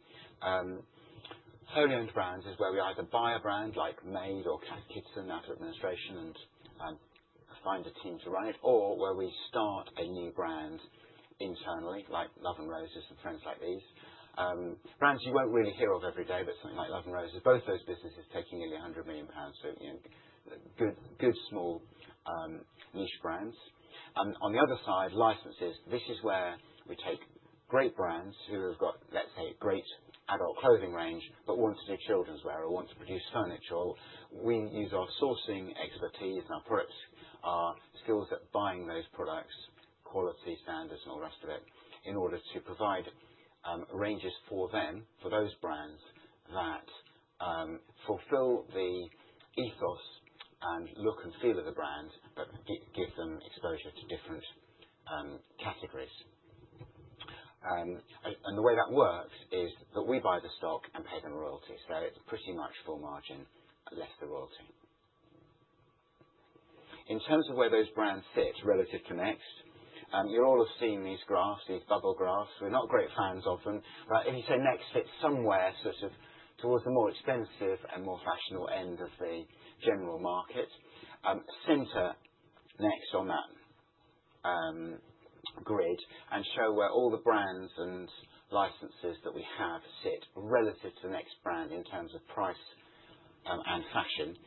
Wholly owned brands is where we either buy a brand like MADE or Cath Kidston and find a team to run it, or where we start a new brand internally like Love & Roses and Friends Like These. Brands you won't really hear of every day, but something like Love & Roses, both those businesses take nearly 100 million pounds. So good, small niche brands. On the other side, licenses, this is where we take great brands who have got, let's say, a great adult clothing range but want to do children's wear or want to produce furniture. We use our sourcing expertise and our products, our skills at buying those products, quality standards, and all the rest of it in order to provide ranges for them, for those brands that fulfill the ethos and look and feel of the brand but give them exposure to different categories. The way that works is that we buy the stock and pay them royalty. So it's pretty much full margin less the royalty. In terms of where those brands fit relative to NEXT, you all have seen these graphs, these bubble graphs. We're not great fans of them. But if you say NEXT fits somewhere sort of towards the more expensive and more fashionable end of the general market, center NEXT on that grid and show where all the brands and licenses that we have sit relative to the NEXT brand in terms of price and fashion.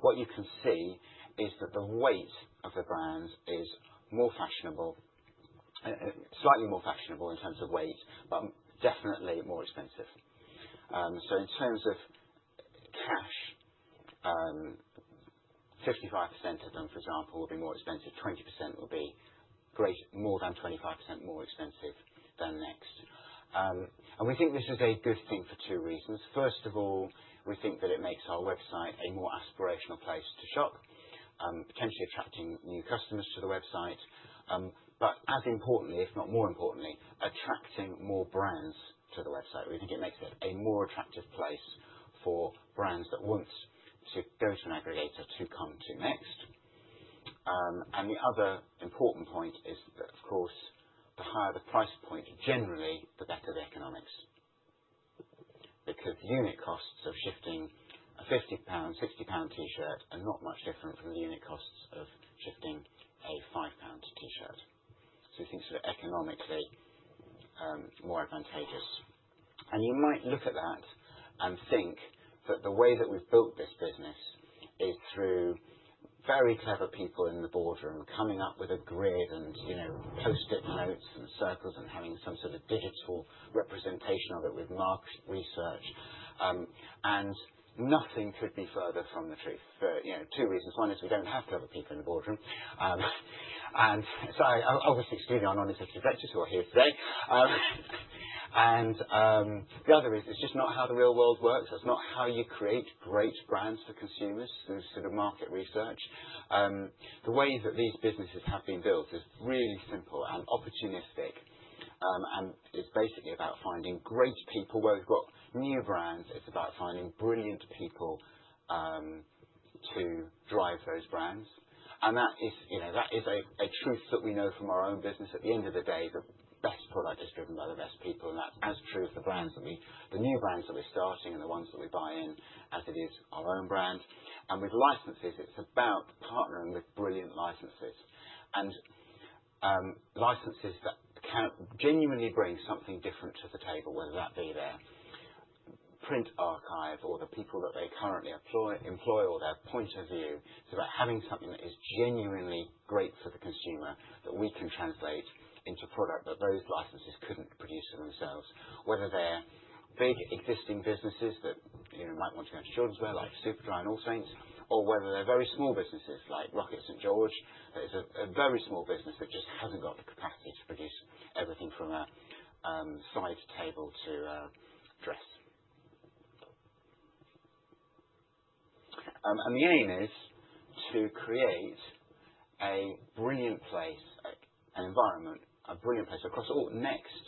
What you can see is that the weight of the brands is slightly more fashionable in terms of weight but definitely more expensive. So in terms of cash, 55% of them, for example, will be more expensive. 20% will be more than 25% more expensive than NEXT. And we think this is a good thing for two reasons. First of all, we think that it makes our website a more aspirational place to shop, potentially attracting new customers to the website. But as importantly, if not more importantly, attracting more brands to the website. We think it makes it a more attractive place for brands that want to go to an aggregator to come to NEXT. And the other important point is that, of course, the higher the price point, generally, the better the economics. Because the unit costs of shifting a GBP 50, GBP 60 t-shirt are not much different from the unit costs of shifting a GBP 5 t-shirt. So we think sort of economically more advantageous. And you might look at that and think that the way that we've built this business is through very clever people in the boardroom coming up with a grid and post-it notes and circles and having some sort of digital representation of it with market research. And nothing could be further from the truth for two reasons. One is we don't have clever people in the boardroom. And sorry, I'll obviously excuse me on Non-Executive Directors who are here today. And the other is it's just not how the real world works. That's not how you create great brands for consumers through sort of market research. The way that these businesses have been built is really simple and opportunistic and is basically about finding great people. Where we've got new brands, it's about finding brilliant people to drive those brands. And that is a truth that we know from our own business. At the end of the day, the best product is driven by the best people. And that's as true of the new brands that we're starting and the ones that we buy in as it is our own brand. And with licenses, it's about partnering with brilliant licenses and licenses that can genuinely bring something different to the table, whether that be their print archive or the people that they currently employ or their point of view. It's about having something that is genuinely great for the consumer that we can translate into product that those licenses couldn't produce for themselves. Whether they're big existing businesses that might want to go into children's wear like Superdry and smALLSAINTS, or whether they're very small businesses like Rockett St George. George, that is a very small business that just hasn't got the capacity to produce everything from a side table to a dress. And the aim is to create a brilliant place, an environment, a brilliant place across all NEXT,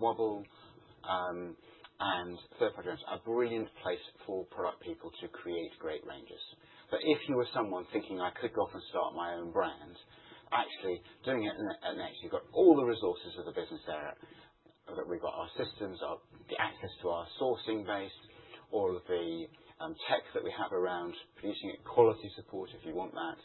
WOBL, and third-party brands, a brilliant place for product people to create great ranges. But if you were someone thinking, "I could go off and start my own brand," actually doing it at NEXT, you've got all the resources of the business there that we've got our systems, the access to our sourcing base, all of the tech that we have around producing quality support if you want that.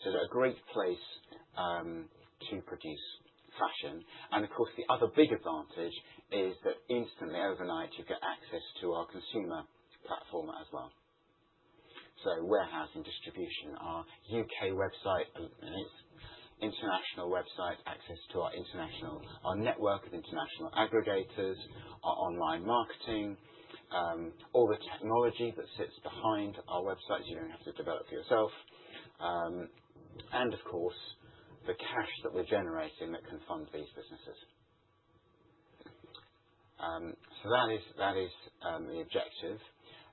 So it's a great place to produce fashion. And of course, the other big advantage is that instantly, overnight, you get access to our consumer platform as well. So, warehousing, distribution, our UK website, International website, access to our network of international aggregators, our Online marketing, all the technology that sits behind our websites you don't have to develop yourself. And of course, the cash that we're generating that can fund these businesses. So that is the objective.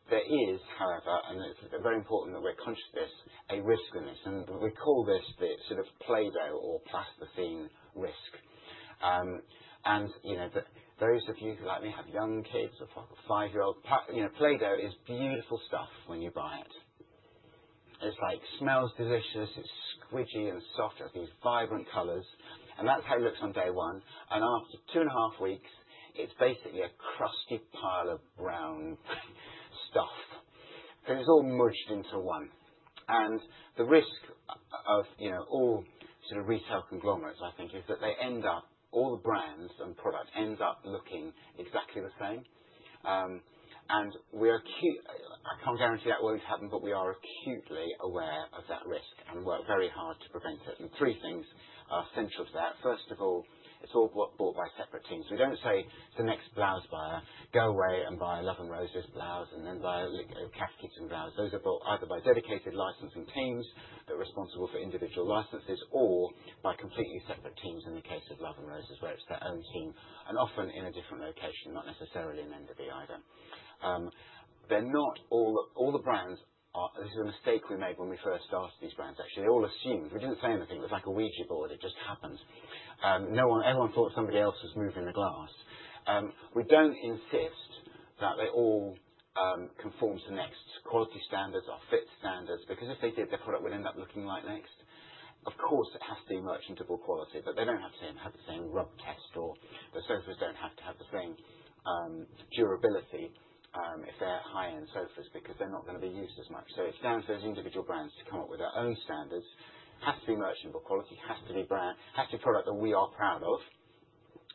There is, however, and it's very important that we're conscious of this, a risk in this. And we call this the sort of playdough or plasticine risk. And those of you who, like me, have young kids or five-year-olds, playdough is beautiful stuff when you buy it. It smells delicious. It's squidgy and soft. It has these vibrant colors. And that's how it looks on day one. And after two and a half weeks, it's basically a crusty pile of brown stuff. It's all mudged into one. The risk of all sort of retail conglomerates, I think, is that they end up all the brands and products end up looking exactly the same. I can't guarantee that will always happen, but we are acutely aware of that risk and work very hard to prevent it. Three things are central to that. First of all, it's all bought by separate teams. We don't say to NEXT blouse buyer, "Go away and buy a Love & Roses blouse and then buy a Cath Kidston blouse." Those are bought either by dedicated licensing teams that are responsible for individual licenses or by completely separate teams in the case of Love & Roses, where it's their own team and often in a different location, not necessarily in the office either. This is a mistake we made when we first started these brands, actually. They all assumed. We didn't say anything. It was like a Ouija board. It just happened. Everyone thought somebody else was moving the glass. We don't insist that they all conform to NEXT's quality standards, our fit standards. Because if they did, their product would end up looking like NEXT. Of course, it has to be merchantable quality. But they don't have to have the same rub test or the sofas don't have to have the same durability if they're high-end sofas because they're not going to be used as much. So it's down to those individual brands to come up with their own standards. It has to be merchantable quality. It has to be product that we are proud of.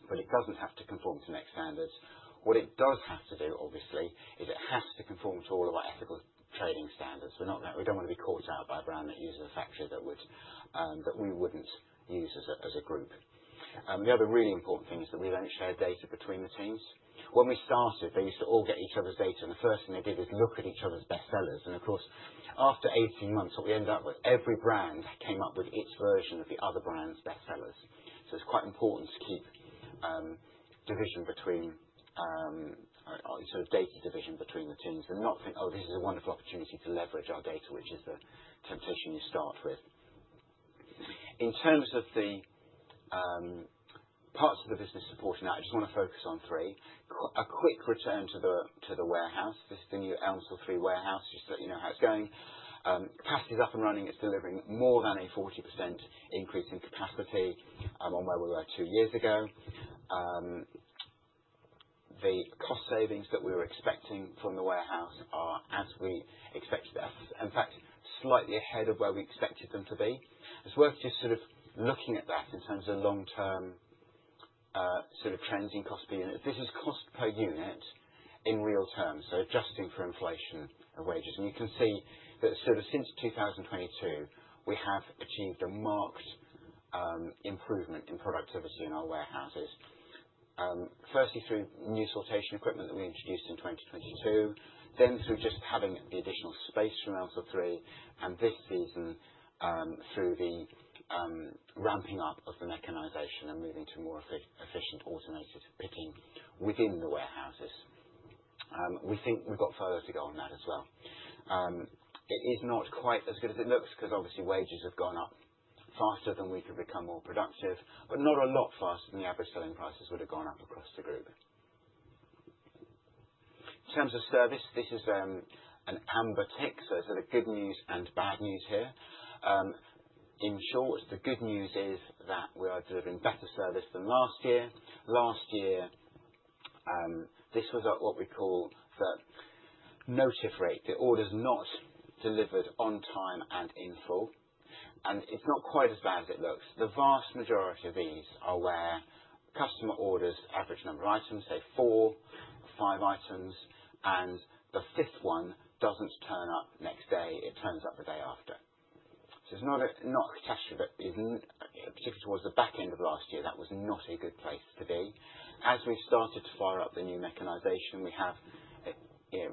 But it doesn't have to conform to NEXT standards. What it does have to do, obviously, is it has to conform to all of our ethical trading standards. We don't want to be caught out by a brand that uses a factory that we wouldn't use as a group. The other really important thing is that we don't share data between the teams. When we started, they used to all get each other's data. And the first thing they did is look at each other's bestsellers. And of course, after 18 months, what we ended up with, every brand came up with its version of the other brand's bestsellers. So it's quite important to keep sort of data division between the teams and not think, "Oh, this is a wonderful opportunity to leverage our data," which is the temptation you start with. In terms of the parts of the business supporting that, I just want to focus on three. A quick return to the warehouse. This is the new Elmsall 3 warehouse, just so you know how it's going. Capacity is up and running. It's delivering more than a 40% increase in capacity on where we were two years ago. The cost savings that we were expecting from the warehouse are, as we expected, in fact, slightly ahead of where we expected them to be. It's worth just sort of looking at that in terms of long-term sort of trends in cost per unit. This is cost per unit in real terms, so adjusting for inflation of wages, and you can see that sort of since 2022, we have achieved a marked improvement in productivity in our warehouses. Firstly, through new sortation equipment that we introduced in 2022, then through just having the additional space from South Elmsall 3, and this season through the ramping up of the mechanization and moving to more efficient automated picking within the warehouses. We think we've got further to go on that as well. It is not quite as good as it looks because, obviously, wages have gone up faster than we could become more productive, but not a lot faster than the average selling prices would have gone up across the group. In terms of service, this is an amber tick. So it's sort of good news and bad news here. In short, the good news is that we are delivering better service than last year. Last year, this was what we call the notif rate. The order's not delivered on time and in full. And it's not quite as bad as it looks. The vast majority of these are where customer orders average number of items, say, four or five items, and the fifth one doesn't turn up next day. It turns up the day after. So it's not a catastrophe, but particularly towards the back end of last year, that was not a good place to be. As we've started to fire up the new mechanization, we have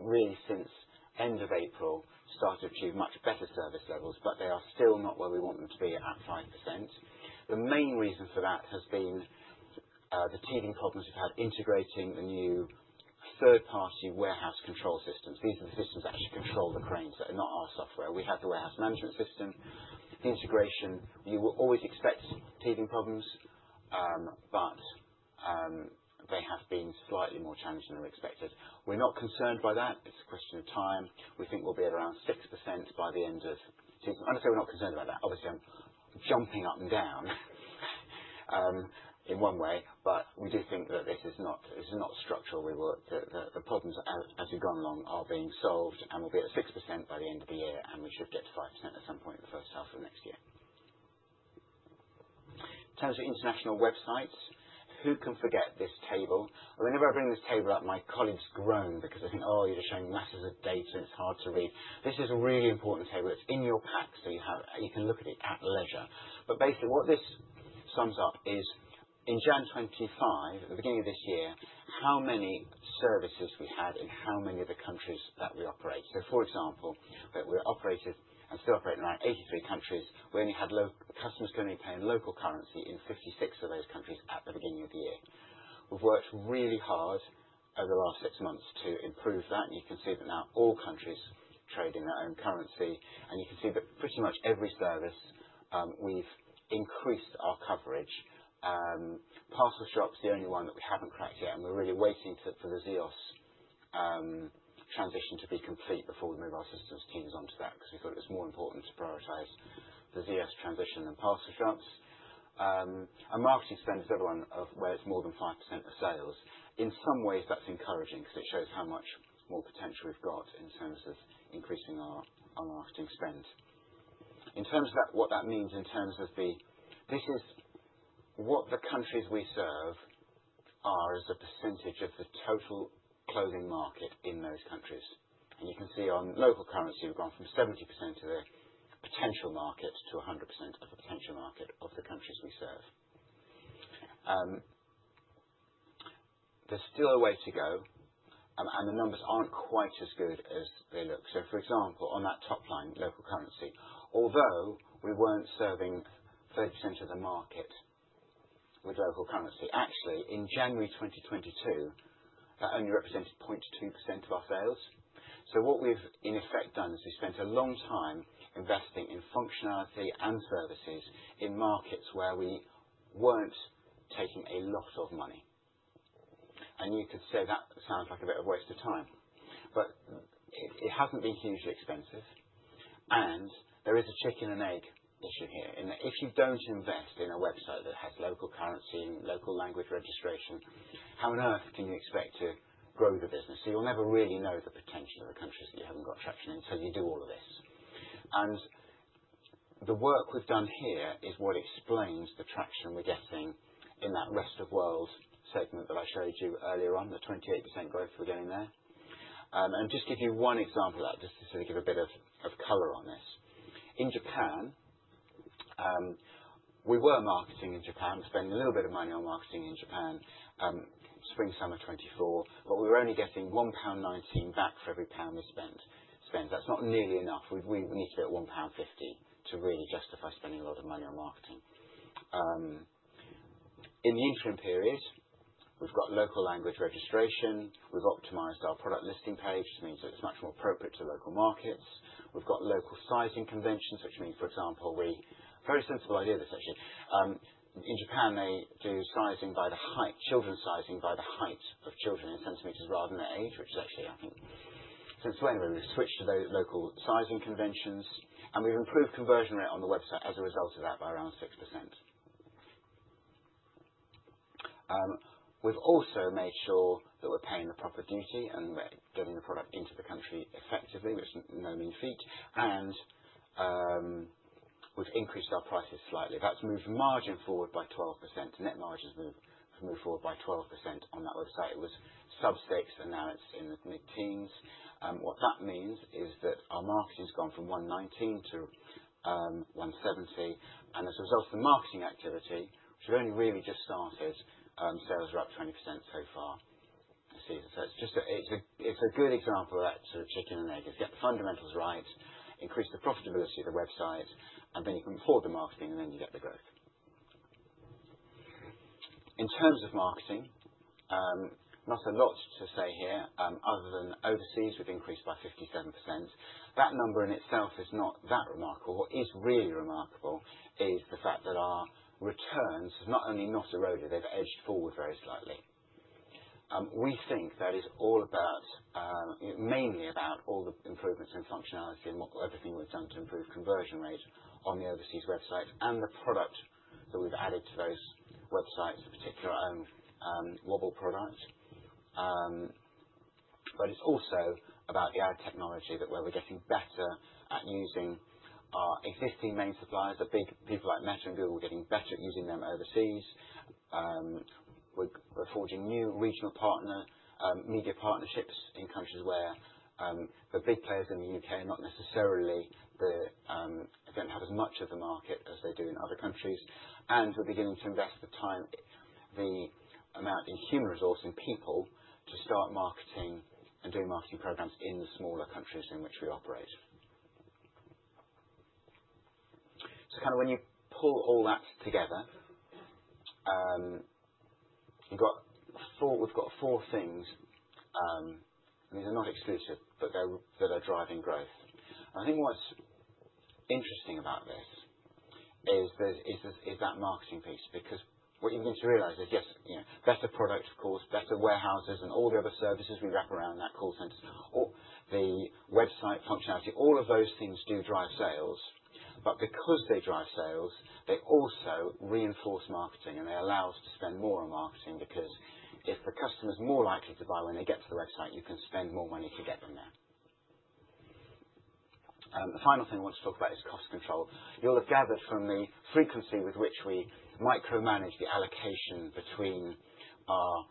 really, since end of April, started to achieve much better service levels, but they are still not where we want them to be at 5%. The main reason for that has been the teething problems we've had integrating the new third-party warehouse control systems. These are the systems that actually control the cranes. They're not our software. We have the warehouse management system. The integration, you will always expect teething problems, but they have been slightly more challenging than we expected. We're not concerned by that. It's a question of time. We think we'll be at around 6% by the end of the year. I'm going to say we're not concerned about that. Obviously, I'm jumping up and down in one way, but we do think that this is not structural. The problems, as we've gone along, are being solved, and we'll be at 6% by the end of the year, and we should get to 5% at some point in the first half of next year. In terms of international websites, who can forget this table? Whenever I bring this table up, my colleagues groan because they think, "Oh, you're just showing masses of data, and it's hard to read." This is a really important table. It's in your pack, so you can look at it at leisure, but basically, what this sums up is, in January 2025, at the beginning of this year, how many services we had in how many of the countries that we operate, so for example, we operated and still operate in around 83 countries. We only had customers going to be paying local currency in 56 of those countries at the beginning of the year. We've worked really hard over the last six months to improve that, and you can see that now all countries trade in their own currency, and you can see that pretty much every service, we've increased our coverage. Parcel shop's the only one that we haven't cracked yet. We're really waiting for the ZEOS transition to be complete before we move our systems teams onto that because we thought it was more important to prioritize the ZEOS transition than parcel shop's. And marketing spend is the other one where it's more than 5% of sales. In some ways, that's encouraging because it shows how much more potential we've got in terms of increasing our marketing spend. In terms of what that means in terms of the this is what the countries we serve are as a percentage of the total clothing market in those countries. And you can see on local currency, we've gone from 70% of the potential market to 100% of the potential market of the countries we serve. There's still a way to go, and the numbers aren't quite as good as they look. For example, on that top line, local currency, although we weren't serving 30% of the market with local currency, actually, in January 2022, that only represented 0.2% of our sales. What we've, in effect, done is we spent a long time investing in functionality and services in markets where we weren't taking a lot of money. You could say that sounds like a bit of a waste of time. It hasn't been hugely expensive. There is a chicken-and-egg issue here. If you don't invest in a website that has local currency and local language registration, how on earth can you expect to grow the business? You'll never really know the potential of the countries that you haven't got traction in until you do all of this. The work we've done here is what explains the traction we're getting in that rest-of-world segment that I showed you earlier on, the 28% growth we're getting there. Just to give you one example of that, just to sort of give a bit of color on this. In Japan, we were marketing in Japan. We're spending a little bit of money on marketing in Japan, Spring/Summer 2024, but we were only getting 1.19 pound back for every pound we spend. That's not nearly enough. We need to be at 1.50 pound to really justify spending a lot of money on marketing. In the interim period, we've got local language registration. We've optimized our product listing page, which means it's much more appropriate to local markets. We've got local sizing conventions, which means, for example, we, very sensible idea, this actually. In Japan, they do children's sizing by the height of children in centimeters rather than their age, which is actually, I think, sensible anyway. We've switched to those local sizing conventions. And we've improved conversion rate on the website as a result of that by around 6%. We've also made sure that we're paying the proper duty and getting the product into the country effectively, which is no mean feat. And we've increased our prices slightly. That's moved margin forward by 12%. Net margins have moved forward by 12% on that website. It was sub-6%, and now it's in the mid-teens%. What that means is that our marketing's gone from 1.19%-1.70%. And as a result of the marketing activity, which has only really just started, sales` are up 20% so far this season. So it's a good example of that sort of chicken-and-egg is get the fundamentals right, increase the profitability of the website, and then you can afford the marketing, and then you get the growth. In terms of marketing, not a lot to say here other than overseas, we've increased by 57%. That number in itself is not that remarkable. What is really remarkable is the fact that our returns have not only not eroded. They've edged forward very slightly. We think that it's mainly about all the improvements in functionality and everything we've done to improve conversion rate on the overseas websites and the product that we've added to those websites, in particular, our own WOBL product. But it's also about the added technology that where we're getting better at using our existing main suppliers. The big people like Meta and Google are getting better at using them overseas. We're forging new regional media partnerships in countries where the big players in the U.K. are not necessarily, they don't have as much of the market as they do in other countries. And we're beginning to invest the time, the human resource, and people to start marketing and doing marketing programs in the smaller countries in which we operate. So kind of when you pull all that together, we've got four things, and these are not exclusive, but that are driving growth. And I think what's interesting about this is that marketing piece. Because what you begin to realize is, yes, better product, of course, better warehouses and all the other services we wrap around that call centers, the website functionality, all of those things do drive sales. But because they drive sales, they also reinforce marketing, and they allow us to spend more on marketing. Because if the customer's more likely to buy when they get to the website, you can spend more money to get them there. The final thing I want to talk about is cost control. You'll have gathered from the frequency with which we micromanage the allocation between our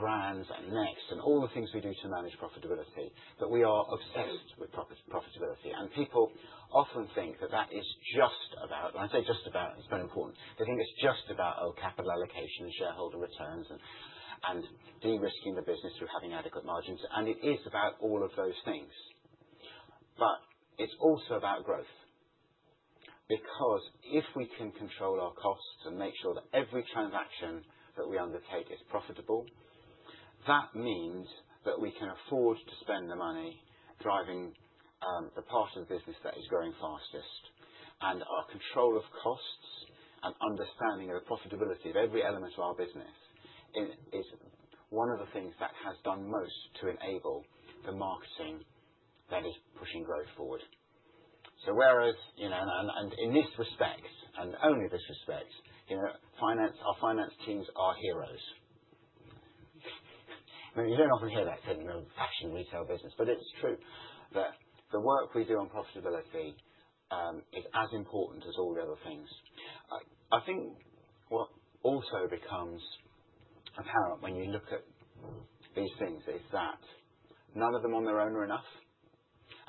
brands and NEXT and all the things we do to manage profitability. But we are obsessed with profitability. And people often think that that is just about, and I say just about, it's very important. They think it's just about, oh, capital allocation and shareholder returns and de-risking the business through having adequate margins. And it is about all of those things. But it's also about growth. Because if we can control our costs and make sure that every transaction that we undertake is profitable, that means that we can afford to spend the money driving the part of the business that is growing fastest. And our control of costs and understanding of the profitability of every element of our business is one of the things that has done most to enable the marketing that is pushing growth forward. So, whereas, and in this respect, and only this respect, our finance teams are heroes. You don't often hear that said in a fashion retail business, but it's true that the work we do on profitability is as important as all the other things. I think what also becomes apparent when you look at these things is that none of them on their own are enough.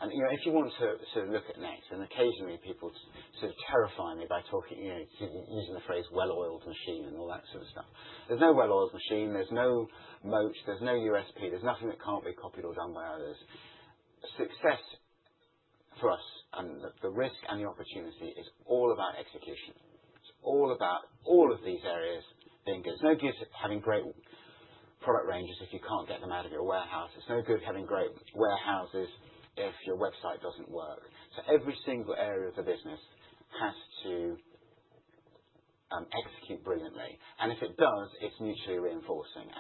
If you want to sort of look at NEXT, and occasionally people sort of terrify me by using the phrase "well-oiled machine" and all that sort of stuff. There's no well-oiled machine. There's no moat. There's no USP. There's nothing that can't be copied or done by others. Success for us, and the risk and the opportunity, is all about execution. It's all about all of these areas being good. It's no good having great product ranges if you can't get them out of your warehouse. It's no good having great warehouses if your website doesn't work. Every single area of the business has to execute brilliantly. If it does, it's mutually reinforcing.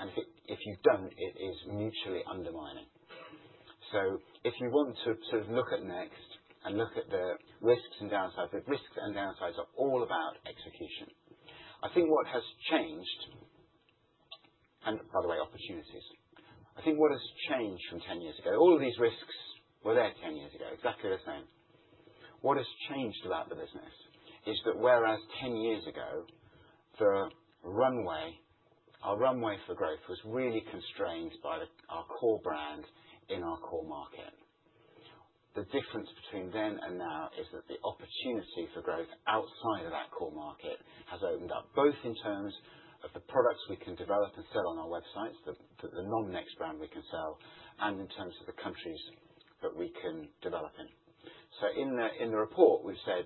If you don't, it is mutually undermining. If you want to sort of look at NEXT and look at the risks and downsides, the risks and downsides are all about execution. I think what has changed, and by the way, opportunities. I think what has changed from 10 years ago, all of these risks were there 10 years ago, exactly the same. What has changed about the business is that whereas 10 years ago, our runway for growth was really constrained by our core brand in our core market, the difference between then and now is that the opportunity for growth outside of that core market has opened up, both in terms of the products we can develop and sell on our websites, the non-NEXT brand we can sell, and in terms of the countries that we can develop in, so in the report, we've said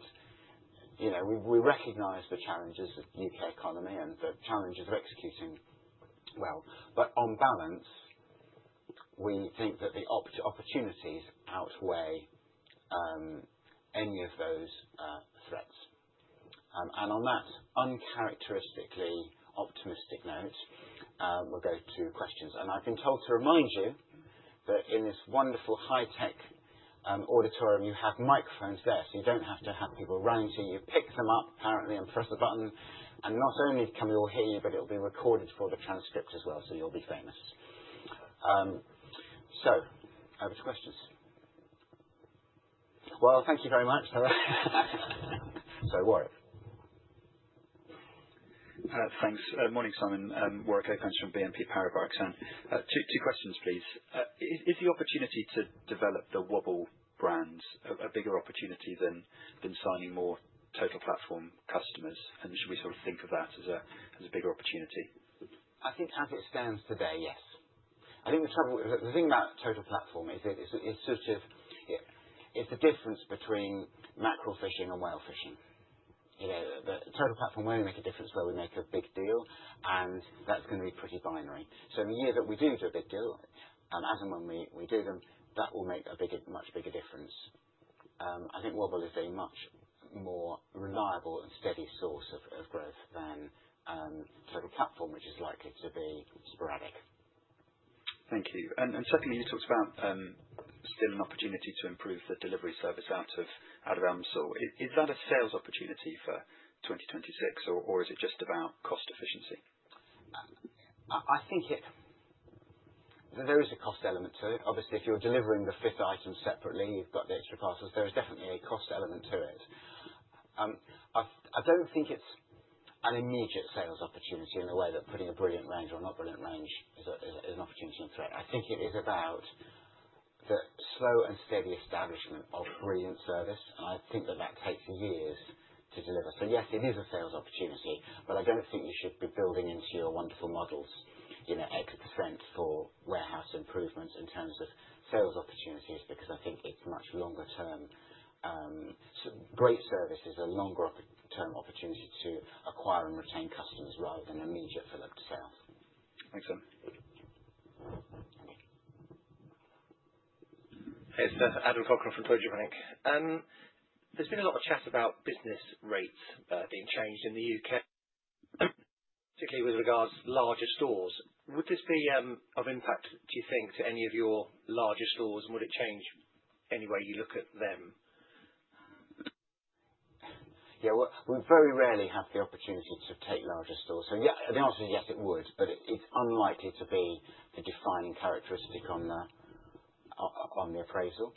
we recognize the challenges of the U.K. economy and the challenges of executing well, but on balance, we think that the opportunities outweigh any of those threats. And on that uncharacteristically optimistic note, we'll go to questions. And I've been told to remind you that in this wonderful high-tech auditorium, you have microphones there, so you don't have to have people running to you. You pick them up, apparently, and press the button. And not only can we all hear you, but it'll be recorded for the transcript as well, so you'll be famous. So over to questions. Well, thank you very much. How are you? Thanks. Morning, Simon. Warwick Okines from BNP Paribas Exane. Two questions, please. Is the opportunity to develop the WOBL brand a bigger opportunity than signing more Total Platform customers? And should we sort of think of that as a bigger opportunity? I think as it stands today, yes. I think the thing about Total Platform is it's sort of the difference between macro fishing and whale fishing. Total Platform, where we make a difference, is where we make a big deal, and that's going to be pretty binary. So in the year that we do do a big deal, as and when we do them, that will make a much bigger difference. I think WOBL is a much more reliable and steady source of growth than Total Platform, which is likely to be sporadic. Thank you. And secondly, you talked about still an opportunity to improve the delivery service out of Elmsall 3. Is that a sales opportunity for 2026, or is it just about cost efficiency? I think there is a cost element to it. Obviously, if you're delivering the fifth item separately, you've got the extra parcels. There is definitely a cost element to it. I don't think it's an immediate sales opportunity in the way that putting a brilliant range or not brilliant range is an opportunity in threat. I think it is about the slow and steady establishment of brilliant service, and I think that that takes years to deliver. So yes, it is a sales opportunity, but I don't think you should be building into your wonderful models in exchange for warehouse improvements in terms of sales opportunities because I think it's much longer-term. So great service is a longer-term opportunity to acquire and retain customers rather than immediate fill-up to sales. Thanks, Simon. Hey, it's Adam Cochrane from Deutsche Bank. There's been a lot of chat about business rates being changed in the U.K., particularly with regards to larger stores. Would this be of impact, do you think, to any of your larger stores, and would it change any way you look at them? Yeah. We very rarely have the opportunity to take larger stores. So the answer is yes, it would, but it's unlikely to be the defining characteristic on the appraisal.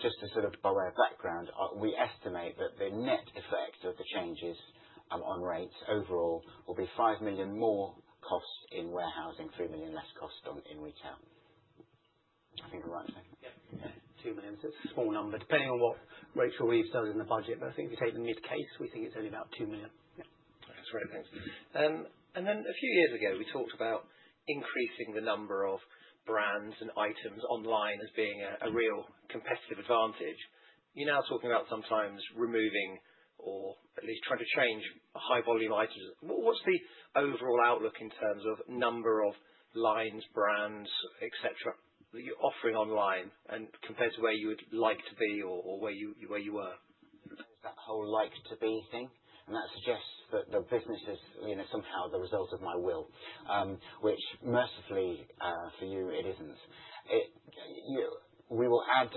Just sort of by way of background, we estimate that the net effect of the changes on rates overall will be 5 million more cost in warehousing, 3 million less cost in Retail. I think I'm right, isn't it? Yeah. Yeah. 2 million. It's a small number, depending on what Rachel Reeves does in the budget. But I think if you take the mid case, we think it's only about 2 million. Yeah. That's great. Thanks. And then a few years ago, we talked about increasing the number of brands and items online as being a real competitive advantage. You're now talking about sometimes removing or at least trying to change high-volume items. What's the overall outlook in terms of number of lines, brands, etc., that you're offering online compared to where you would like to be or where you were? There's that whole like-to-be thing, and that suggests that the business is somehow the result of my will, which mercifully for you, it isn't. We will add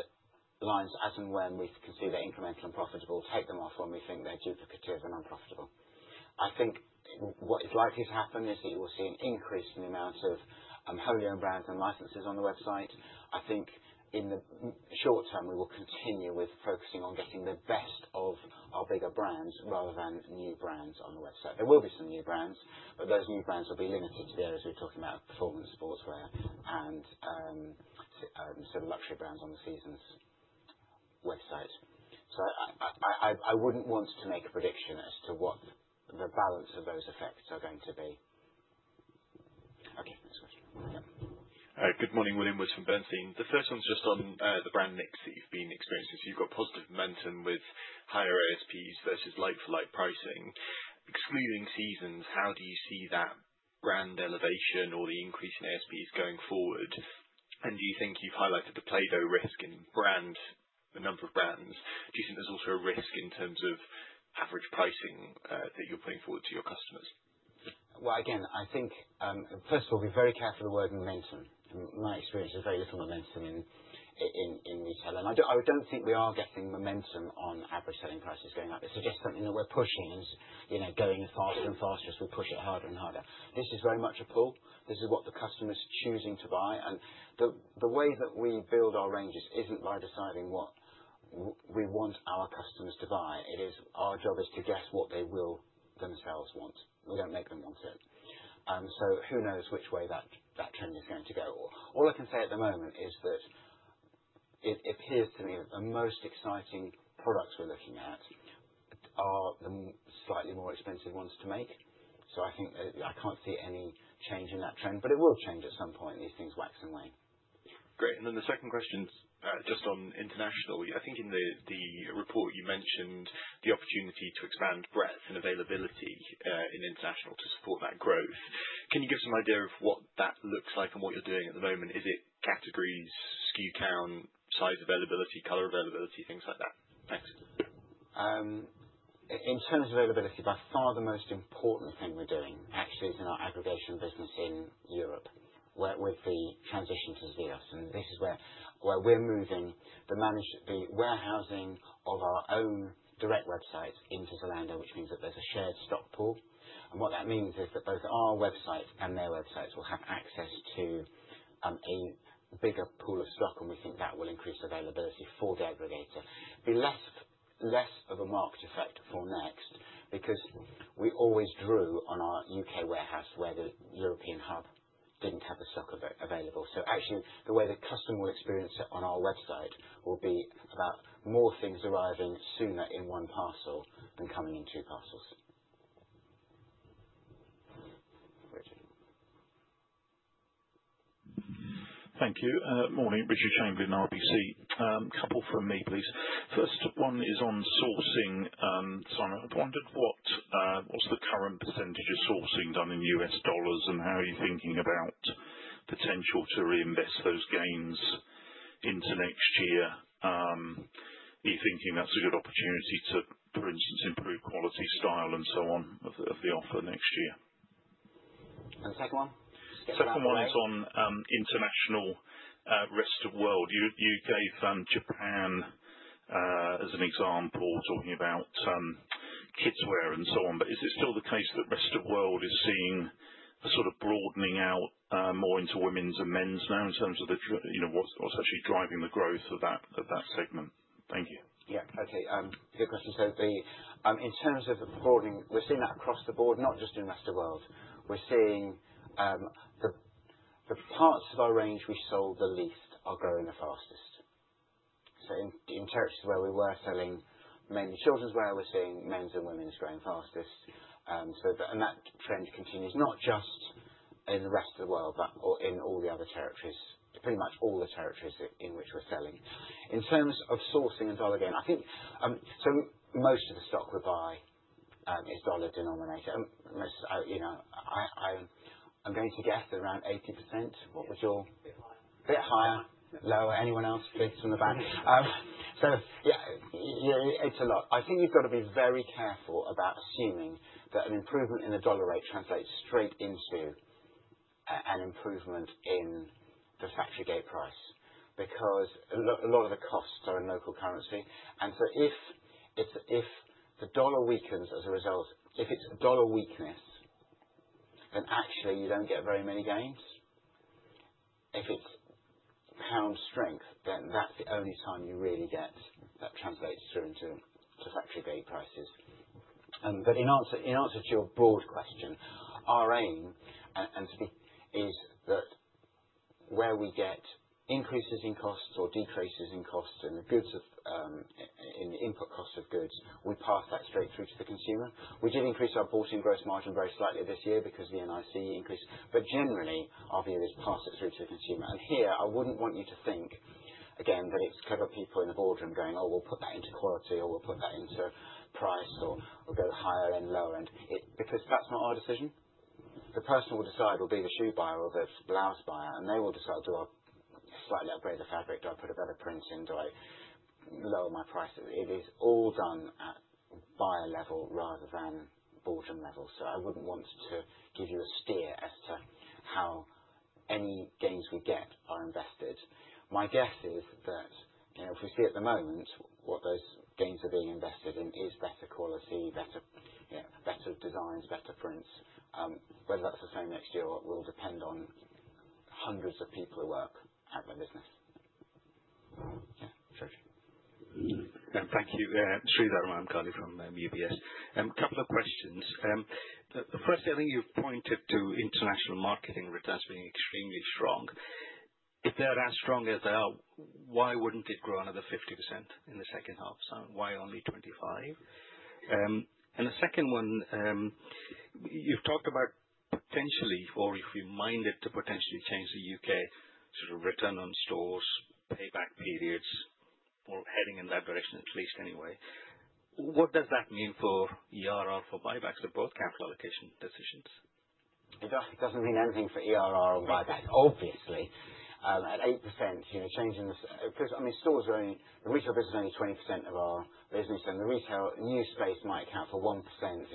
lines as and when we can see they're incremental and profitable, take them off when we think they're duplicative and unprofitable. I think what is likely to happen is that you will see an increase in the amount of wholly-owned brands and licenses on the website. I think in the short term, we will continue with focusing on getting the best of our bigger brands rather than new brands on the website. There will be some new brands, but those new brands will be limited to the areas we're talking about: performance sportswear and sort of luxury brands on the Seasons website. So I wouldn't want to make a prediction as to what the balance of those effects are going to be. Okay. Next question. Yeah. Good morning. William Woods from Bernstein. The first one's just on the brand mix that you've been experiencing. So you've got positive momentum with higher ASPs versus like-for-like pricing. Excluding Seasons, how do you see that brand elevation or the increase in ASPs going forward? And do you think you've highlighted the playdough risk in the number of brands? Do you think there's also a risk in terms of average pricing that you're putting forward to your customers? Well, again, I think, first of all, be very careful of the word momentum. My experience is very little momentum in Retail. And I don't think we are getting momentum on average selling prices going up. It's just something that we're pushing and going faster and faster as we push it harder and harder. This is very much a pull. This is what the customer's choosing to buy. And the way that we build our ranges isn't by deciding what we want our customers to buy. Our job is to guess what they will themselves want. We don't make them want it. So who knows which way that trend is going to go? All I can say at the moment is that it appears to me that the most exciting products we're looking at are the slightly more expensive ones to make. So I think I can't see any change in that trend, but it will change at some point in these things wax and wane. Great. And then the second question's just on international. I think in the report, you mentioned the opportunity to expand breadth and availability in international to support that growth. Can you give some idea of what that looks like and what you're doing at the moment? Is it categories, SKU count, size availability, color availability, things like that? Thanks. In terms of availability, by far the most important thing we're doing actually is in our aggregation business in Europe with the transition to ZEOS. And this is where we're moving the warehousing of our own direct website into Zalando, which means that there's a shared stock pool. And what that means is that both our website and their websites will have access to a bigger pool of stock, and we think that will increase availability for the aggregator. It'll be less of a market effect for NEXT because we always drew on our U.K. warehouse where the European hub didn't have the stock available. So actually, the way the customer will experience it on our website will be about more things arriving sooner in one parcel than coming in two parcels. Thank you. Morning. Richard Chamberlain, RBC. A couple from me, please. First one is on sourcing. Simon, I wondered what's the current percentage of sourcing done in U.S. dollars, and how are you thinking about potential to reinvest those gains into next year? Are you thinking that's a good opportunity to, for instance, improve quality, style and so on of the offer next year? The second one? The second one is on International rest of world. You gave Japan as an example, talking about kidswear and so on, but is it still the case that rest of world is seeing a sort of broadening out more into women's and men's now in terms of what's actually driving the growth of that segment? Thank you. Yeah. Okay. Good question. So in terms of broadening, we're seeing that across the board, not just in rest of world. We're seeing the parts of our range we sold the least are growing the fastest. So in territories where we were selling mainly children's wear, we're seeing men's and women's growing fastest. And that trend continues not just in the rest of the world, but in all the other territories, pretty much all the territories in which we're selling. In terms of sourcing and dollar gain, I think most of the stock we buy is dollar denominated. I'm going to guess that around 80%. What was your? A bit higher. A bit higher. Lower. Anyone else? Bids from the back. So yeah, it's a lot. I think you've got to be very careful about assuming that an improvement in the dollar rate translates straight into an improvement in the factory gate price because a lot of the costs are in local currency. And so if the dollar weakens as a result, if it's dollar weakness, then actually you don't get very many gains. If it's pound strength, then that's the only time you really get that translates through into factory gate prices. But in answer to your broad question, our aim is that where we get increases in costs or decreases in costs in the input cost of goods, we pass that straight through to the consumer. We did increase our bought-in gross margin very slightly this year because the NIC increased. But generally, our view is pass it through to the consumer. And here, I wouldn't want you to think, again, that it's clever people in the boardroom going, "Oh, we'll put that into quality," or, "We'll put that into price," or, "We'll go higher and lower." Because that's not our decision. The person who will decide will be the shoe buyer or the blouse buyer, and they will decide, "Do I slightly upgrade the fabric? Do I put a better print in? Do I lower my prices?" It is all done at buyer level rather than boardroom level. So I wouldn't want to give you a steer as to how any gains we get are invested. My guess is that if we see at the moment what those gains are being invested in is better quality, better designs, better prints. Whether that's the same next year or will depend on hundreds of people who work at my business. Yeah. Thank you. Sreedhar Mahamkali from UBS. A couple of questions. Firstly, I think you've pointed to international marketing returns being extremely strong. If they're as strong as they are, why wouldn't it grow another 50% in the second half? Why only 25%? And the second one, you've talked about potentially, or if you mind it to potentially change the U.K. sort of return on stores, payback periods, or heading in that direction, at least anyway. What does that mean for IRR for buybacks or both capital allocation decisions? It doesn't mean anything for IRR and buybacks, obviously. At 8%, because I mean, the Retail business is only 20% of our business, and the Retail new space might account for 1%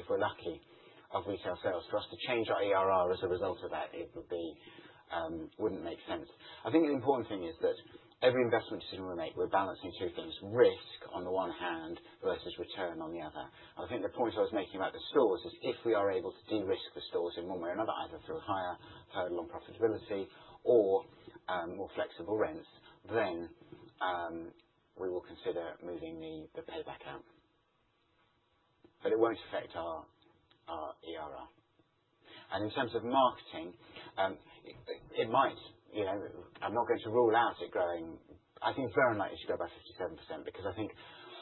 if we're lucky of Retail sales. For us to change our IRR as a result of that, it wouldn't make sense. I think the important thing is that every investment decision we make, we're balancing two things: risk on the one hand versus return on the other. I think the point I was making about the stores is if we are able to de-risk the stores in one way or another, either through higher hurdle on profitability or more flexible rents, then we will consider moving the payback out, but it won't affect our IRR. In terms of marketing, it might. I'm not going to rule out it growing. I think it's very unlikely to go by 57% because I think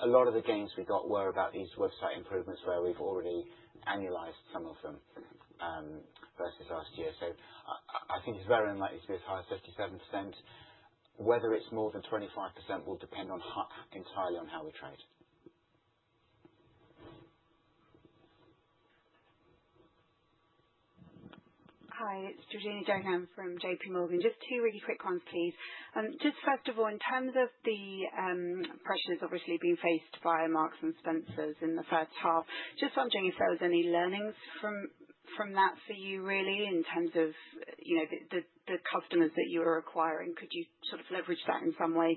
a lot of the gains we got were about these website improvements where we've already annualized some of them versus last year. So I think it's very unlikely to be as high as 57%. Whether it's more than 25% will depend entirely on how we trade. Hi. It's Georgina Johanan from JPMorgan. Just two really quick ones, please. Just first of all, in terms of the pressures obviously being faced by Marks & Spencer in the first half, just wondering if there was any learnings from that for you really in terms of the customers that you were acquiring. Could you sort of leverage that in some way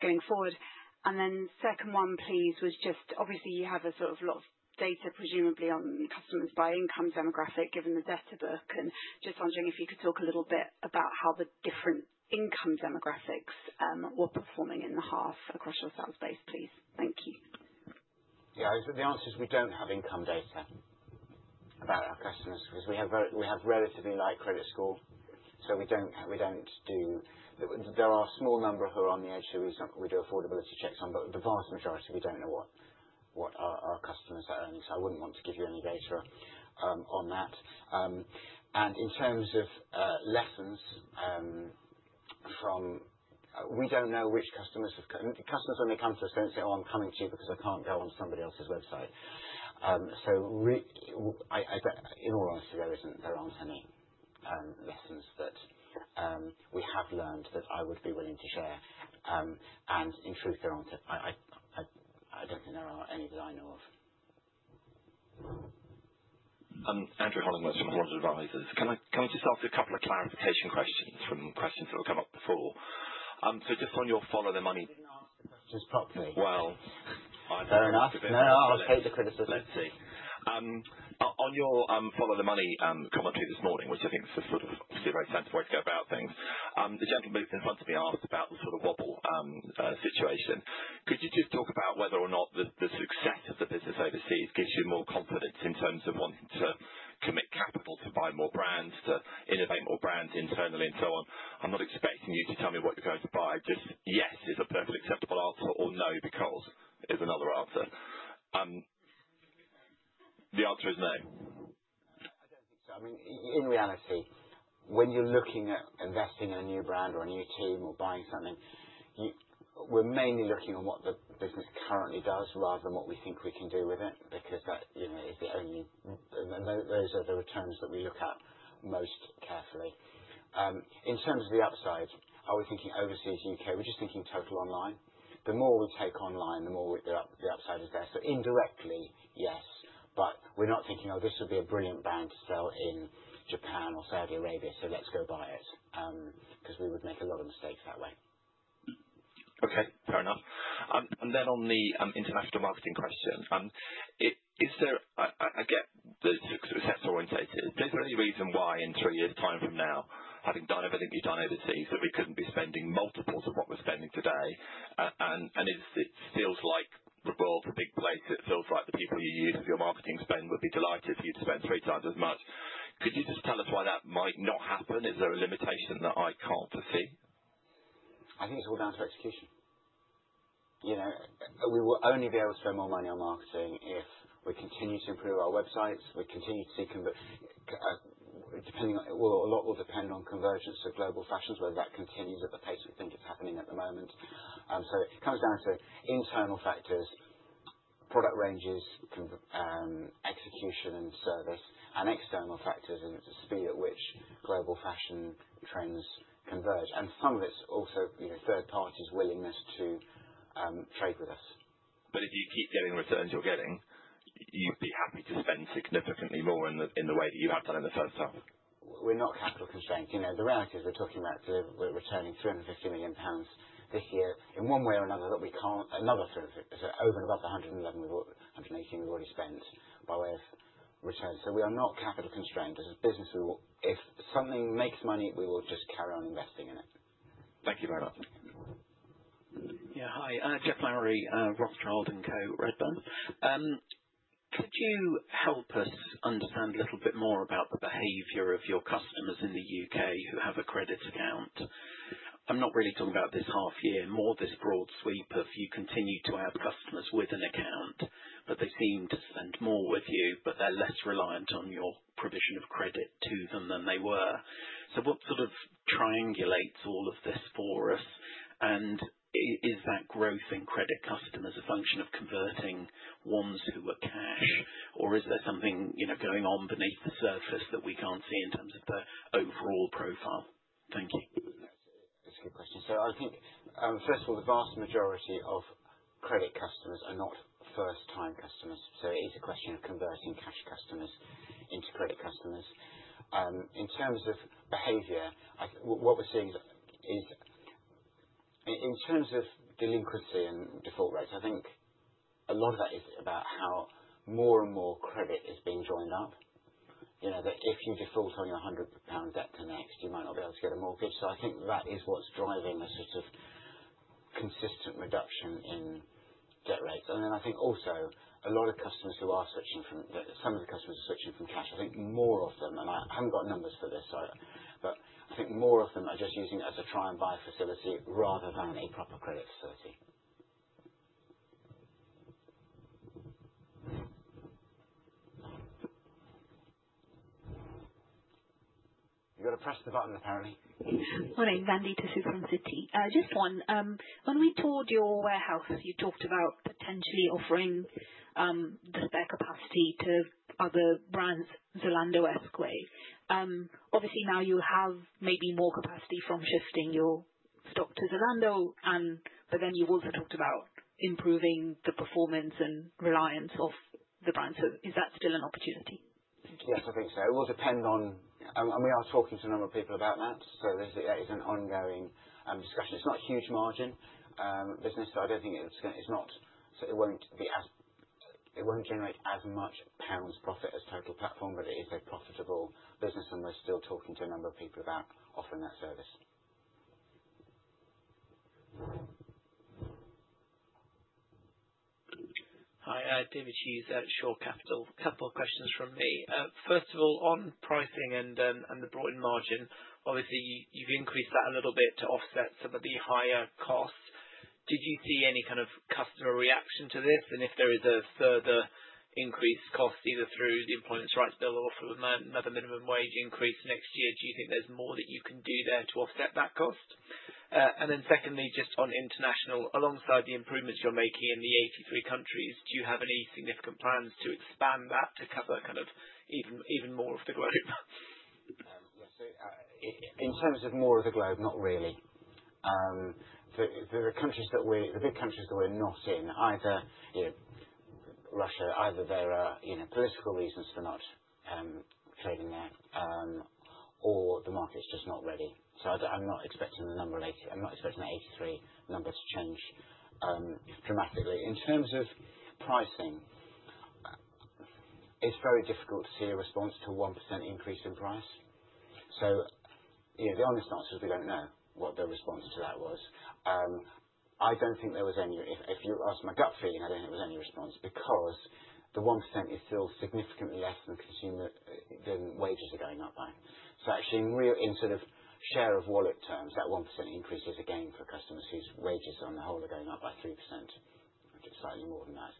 going forward? And then second one, please, was just obviously you have a sort of lot of data presumably on customers by income demographic given the data book. And just wondering if you could talk a little bit about how the different income demographics were performing in the half across your sales base, please. Thank you. Yeah. The answer is we don't have income data about our customers because we have relatively light credit score. So we don't. There are a small number who are on the edge who we do affordability checks on, but the vast majority, we don't know what our customers are earning. So I wouldn't want to give you any data on that. And in terms of lessons from, we don't know which customers have customers. When they come to us, they say, "Oh, I'm coming to you because I can't go on somebody else's website." So in all honesty, there aren't any lessons that we have learned that I would be willing to share. And in truth, there aren't. I don't think there are any that I know of. Andrew Hollingworth from Holland Advisors. Can I just ask a couple of clarification questions from questions that have come up before? So just on your follow the money. You didn't answer the questions properly. Well. Fair enough. No, I'll take the criticism. Let's see. On your follow the money commentary this morning, which I think is sort of obviously a very sensible way to go about things, the gentleman in front of me asked about the sort of WOBL situation. Could you just talk about whether or not the success of the business overseas gives you more confidence in terms of wanting to commit capital to buy more brands, to innovate more brands internally, and so on? I'm not expecting you to tell me what you're going to buy. Just yes is a perfectly acceptable answer, or no because is another answer. The answer is no. I don't think so. I mean, in reality, when you're looking at investing in a new brand or a new team or buying something, we're mainly looking at what the business currently does rather than what we think we can do with it because those are the returns that we look at most carefully. In terms of the upside, are we thinking overseas, U.K.? We're just thinking total online. The more we take online, the more the upside is there. So indirectly, yes. But we're not thinking, "Oh, this would be a brilliant brand to sell in Japan or Saudi Arabia, so let's go buy it," because we would make a lot of mistakes that way. Okay. Fair enough. And then on the international marketing question, I get that it's sort of sector-oriented. Is there any reason why in three years' time from now, having done everything you've done overseas, that we couldn't be spending multiples of what we're spending today? And it feels like the world's a big place. It feels like the people you use for your marketing spend would be delighted for you to spend three times as much. Could you just tell us why that might not happen? Is there a limitation that I can't foresee? I think it's all down to execution. We will only be able to spend more money on marketing if we continue to improve our websites. We continue to see. A lot will depend on convergence of global fashions, whether that continues at the pace we think it's happening at the moment, so it comes down to internal factors, product ranges, execution and service, and external factors and the speed at which global fashion trends converge, and some of it's also third parties' willingness to trade with us. But if you keep getting returns you're getting, you'd be happy to spend significantly more in the way that you have done in the first half? We're not capital constrained. The reality is we're talking about returning 350 million pounds this year in one way or another that we can another 350 million. So over and above the 118 million we've already spent by way of return. So we are not capital constrained. As a business, if something makes money, we will just carry on investing in it. Thank you very much. Yeah. Hi. Geoff Lowery, Rothschild & Co Redburn. Could you help us understand a little bit more about the behavior of your customers in the U.K. who have a credit account? I'm not really talking about this half year, more this broad sweep of you continue to have customers with an account, but they seem to spend more with you, but they're less reliant on your provision of credit to them than they were. So what sort of triangulates all of this for us? And is that growth in credit customers a function of converting ones who are cash, or is there something going on beneath the surface that we can't see in terms of the overall profile? Thank you. That's a good question. So I think, first of all, the vast majority of credit customers are not first-time customers. So it is a question of converting cash customers into credit customers. In terms of behaviour, what we're seeing is in terms of delinquency and default rates, I think a lot of that is about how more and more credit is being joined up. If you default on your 100 pound debt to NEXT, you might not be able to get a mortgage. So I think that is what's driving a sort of consistent reduction in debt rates. And then I think also a lot of customers who are switching from some of the customers are switching from cash. I think more of them, and I haven't got numbers for this, sorry, but I think more of them are just using it as a try-and-buy facility rather than a proper credit facility. You've got to press the button, apparently. Morning [Mandy Tussaud] from Citi. Thank you, Simon. Just one. When we toured your warehouse, you talked about potentially offering the spare capacity to other brands, Zalando and ZEOS. Obviously, now you have maybe more capacity from shifting your stock to Zalando, but then you've also talked about improving the performance and reliability of the brands. So is that still an opportunity? Yes, I think so. It will depend on, and we are talking to a number of people about that. So that is an ongoing discussion. It's not a huge margin business, so I don't think it's not, so it won't generate as much pounds profit as Total Platform, but it is a profitable business, and we're still talking to a number of people about offering that service. Hi. David Hughes at Shore Capital. A couple of questions from me. First of all, on pricing and the gross margin, obviously, you've increased that a little bit to offset some of the higher costs. Did you see any kind of customer reaction to this? And if there is a further increased cost, either through the Employment Rights Bill or through another minimum wage increase next year, do you think there's more that you can do there to offset that cost? And then secondly, just on international, alongside the improvements you're making in the 83 countries, do you have any significant plans to expand that to cover kind of even more of the globe? Yes. In terms of more of the globe, not really. The big countries that we're not in, either Russia, either there are political reasons for not trading there or the market's just not ready. So I'm not expecting the 83 number to change dramatically. In terms of pricing, it's very difficult to see a response to a 1% increase in price. So the honest answer is we don't know what the response to that was. If you ask my gut feeling, I don't think there was any response because the 1% is still significantly less than wages are going up by. So actually, in sort of share of wallet terms, that 1% increase is a gain for customers whose wages on the whole are going up by 3%, slightly more than that.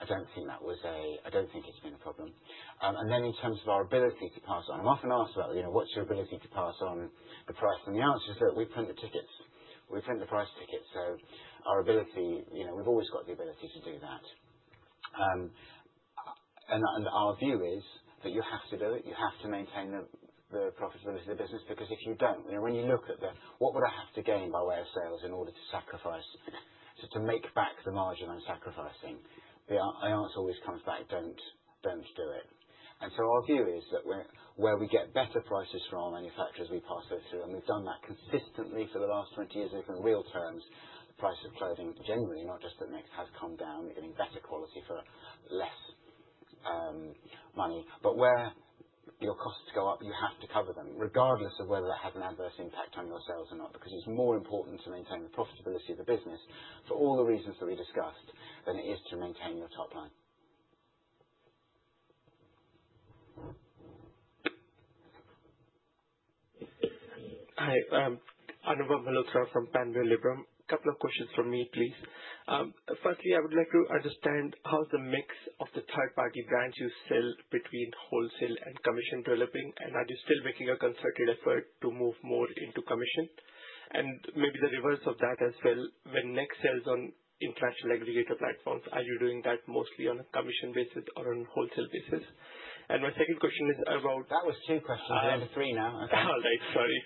I don't think it's been a problem. And then in terms of our ability to pass on, I'm often asked about, "What's your ability to pass on the price?" And the answer is that we print the tickets. We print the price tickets. So our ability—we've always got the ability to do that. And our view is that you have to do it. You have to maintain the profitability of the business because if you don't, when you look at the, "What would I have to gain by way of sales in order to make back the margin I'm sacrificing?" the answer always comes back, "Don't do it." And so our view is that where we get better prices from our manufacturers, we pass those through. And we've done that consistently for the last 20 years. If in real terms, the price of clothing genuinely, not just at NEXT, has come down. You're getting better quality for less money. But where your costs go up, you have to cover them, regardless of whether that has an adverse impact on your sales or not, because it's more important to maintain the profitability of the business for all the reasons that we discussed than it is to maintain your top line. Hi. I'm Anupam Malhotra from Panmure Liberum. A couple of questions from me, please. Firstly, I would like to understand how's the mix of the third-party brands you sell between wholesale and commission developing, and are you still making a concerted effort to move more into commission? And maybe the reverse of that as well. When NEXT sells on international aggregator platforms, are you doing that mostly on a commission basis or on a wholesale basis? And my second question is about. That was two questions. I'm on to three now. All right. Sorry.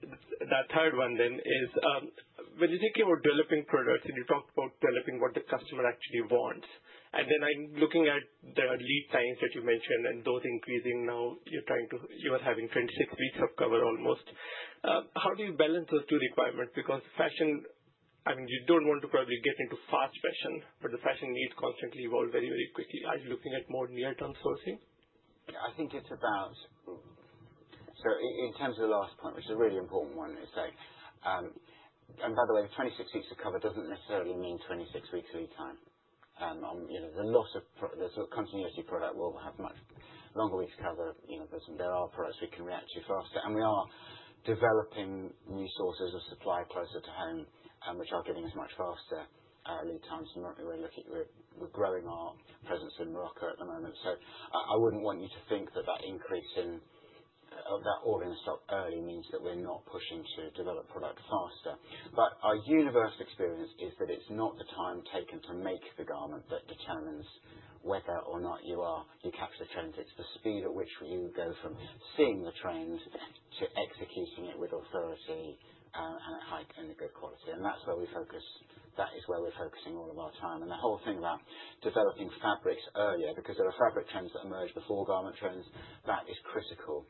The third one then is, when you think about developing products and you talked about developing what the customer actually wants, and then I'm looking at the lead times that you mentioned and those increasing now. You're having 26 weeks of cover almost. How do you balance those two requirements? Because fashion, I mean, you don't want to probably get into fast fashion, but the fashion needs constantly evolve very, very quickly. Are you looking at more near-term sourcing? I think it's about—so in terms of the last point, which is a really important one, it's like—and by the way, the 26 weeks of cover doesn't necessarily mean 26 weeks lead time. The continuity product will have much longer weeks' cover. There are products we can react to faster. And we are developing new sources of supply closer to home, which are giving us much faster lead times. We're growing our presence in Morocco at the moment. So I wouldn't want you to think that that increase in that ordering stock early means that we're not pushing to develop product faster. But our universal experience is that it's not the time taken to make the garment that determines whether or not you catch the trend. It's the speed at which you go from seeing the trend to executing it with authority and at height and good quality. And that's where we focus. That is where we're focusing all of our time. And the whole thing about developing fabrics earlier because there are fabric trends that emerge before garment trends, that is critical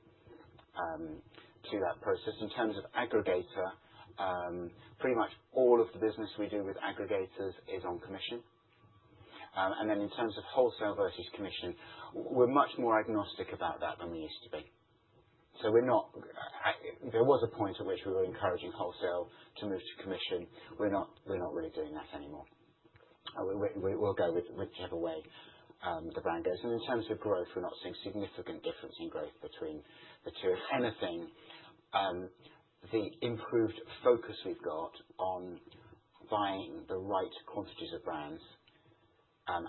to that process. In terms of aggregator, pretty much all of the business we do with aggregators is on commission. And then in terms of wholesale versus commission, we're much more agnostic about that than we used to be. So there was a point at which we were encouraging wholesale to move to commission. We're not really doing that anymore. We'll go whichever way the brand goes. And in terms of growth, we're not seeing significant difference in growth between the two. If anything, the improved focus we've got on buying the right quantities of brands and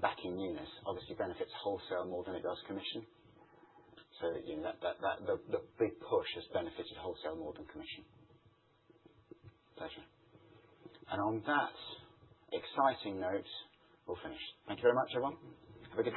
backing newness obviously benefits wholesale more than it does commission. So the big push has benefited wholesale more than commission. Pleasure. And on that exciting note, we'll finish. Thank you very much, everyone. Have a good day.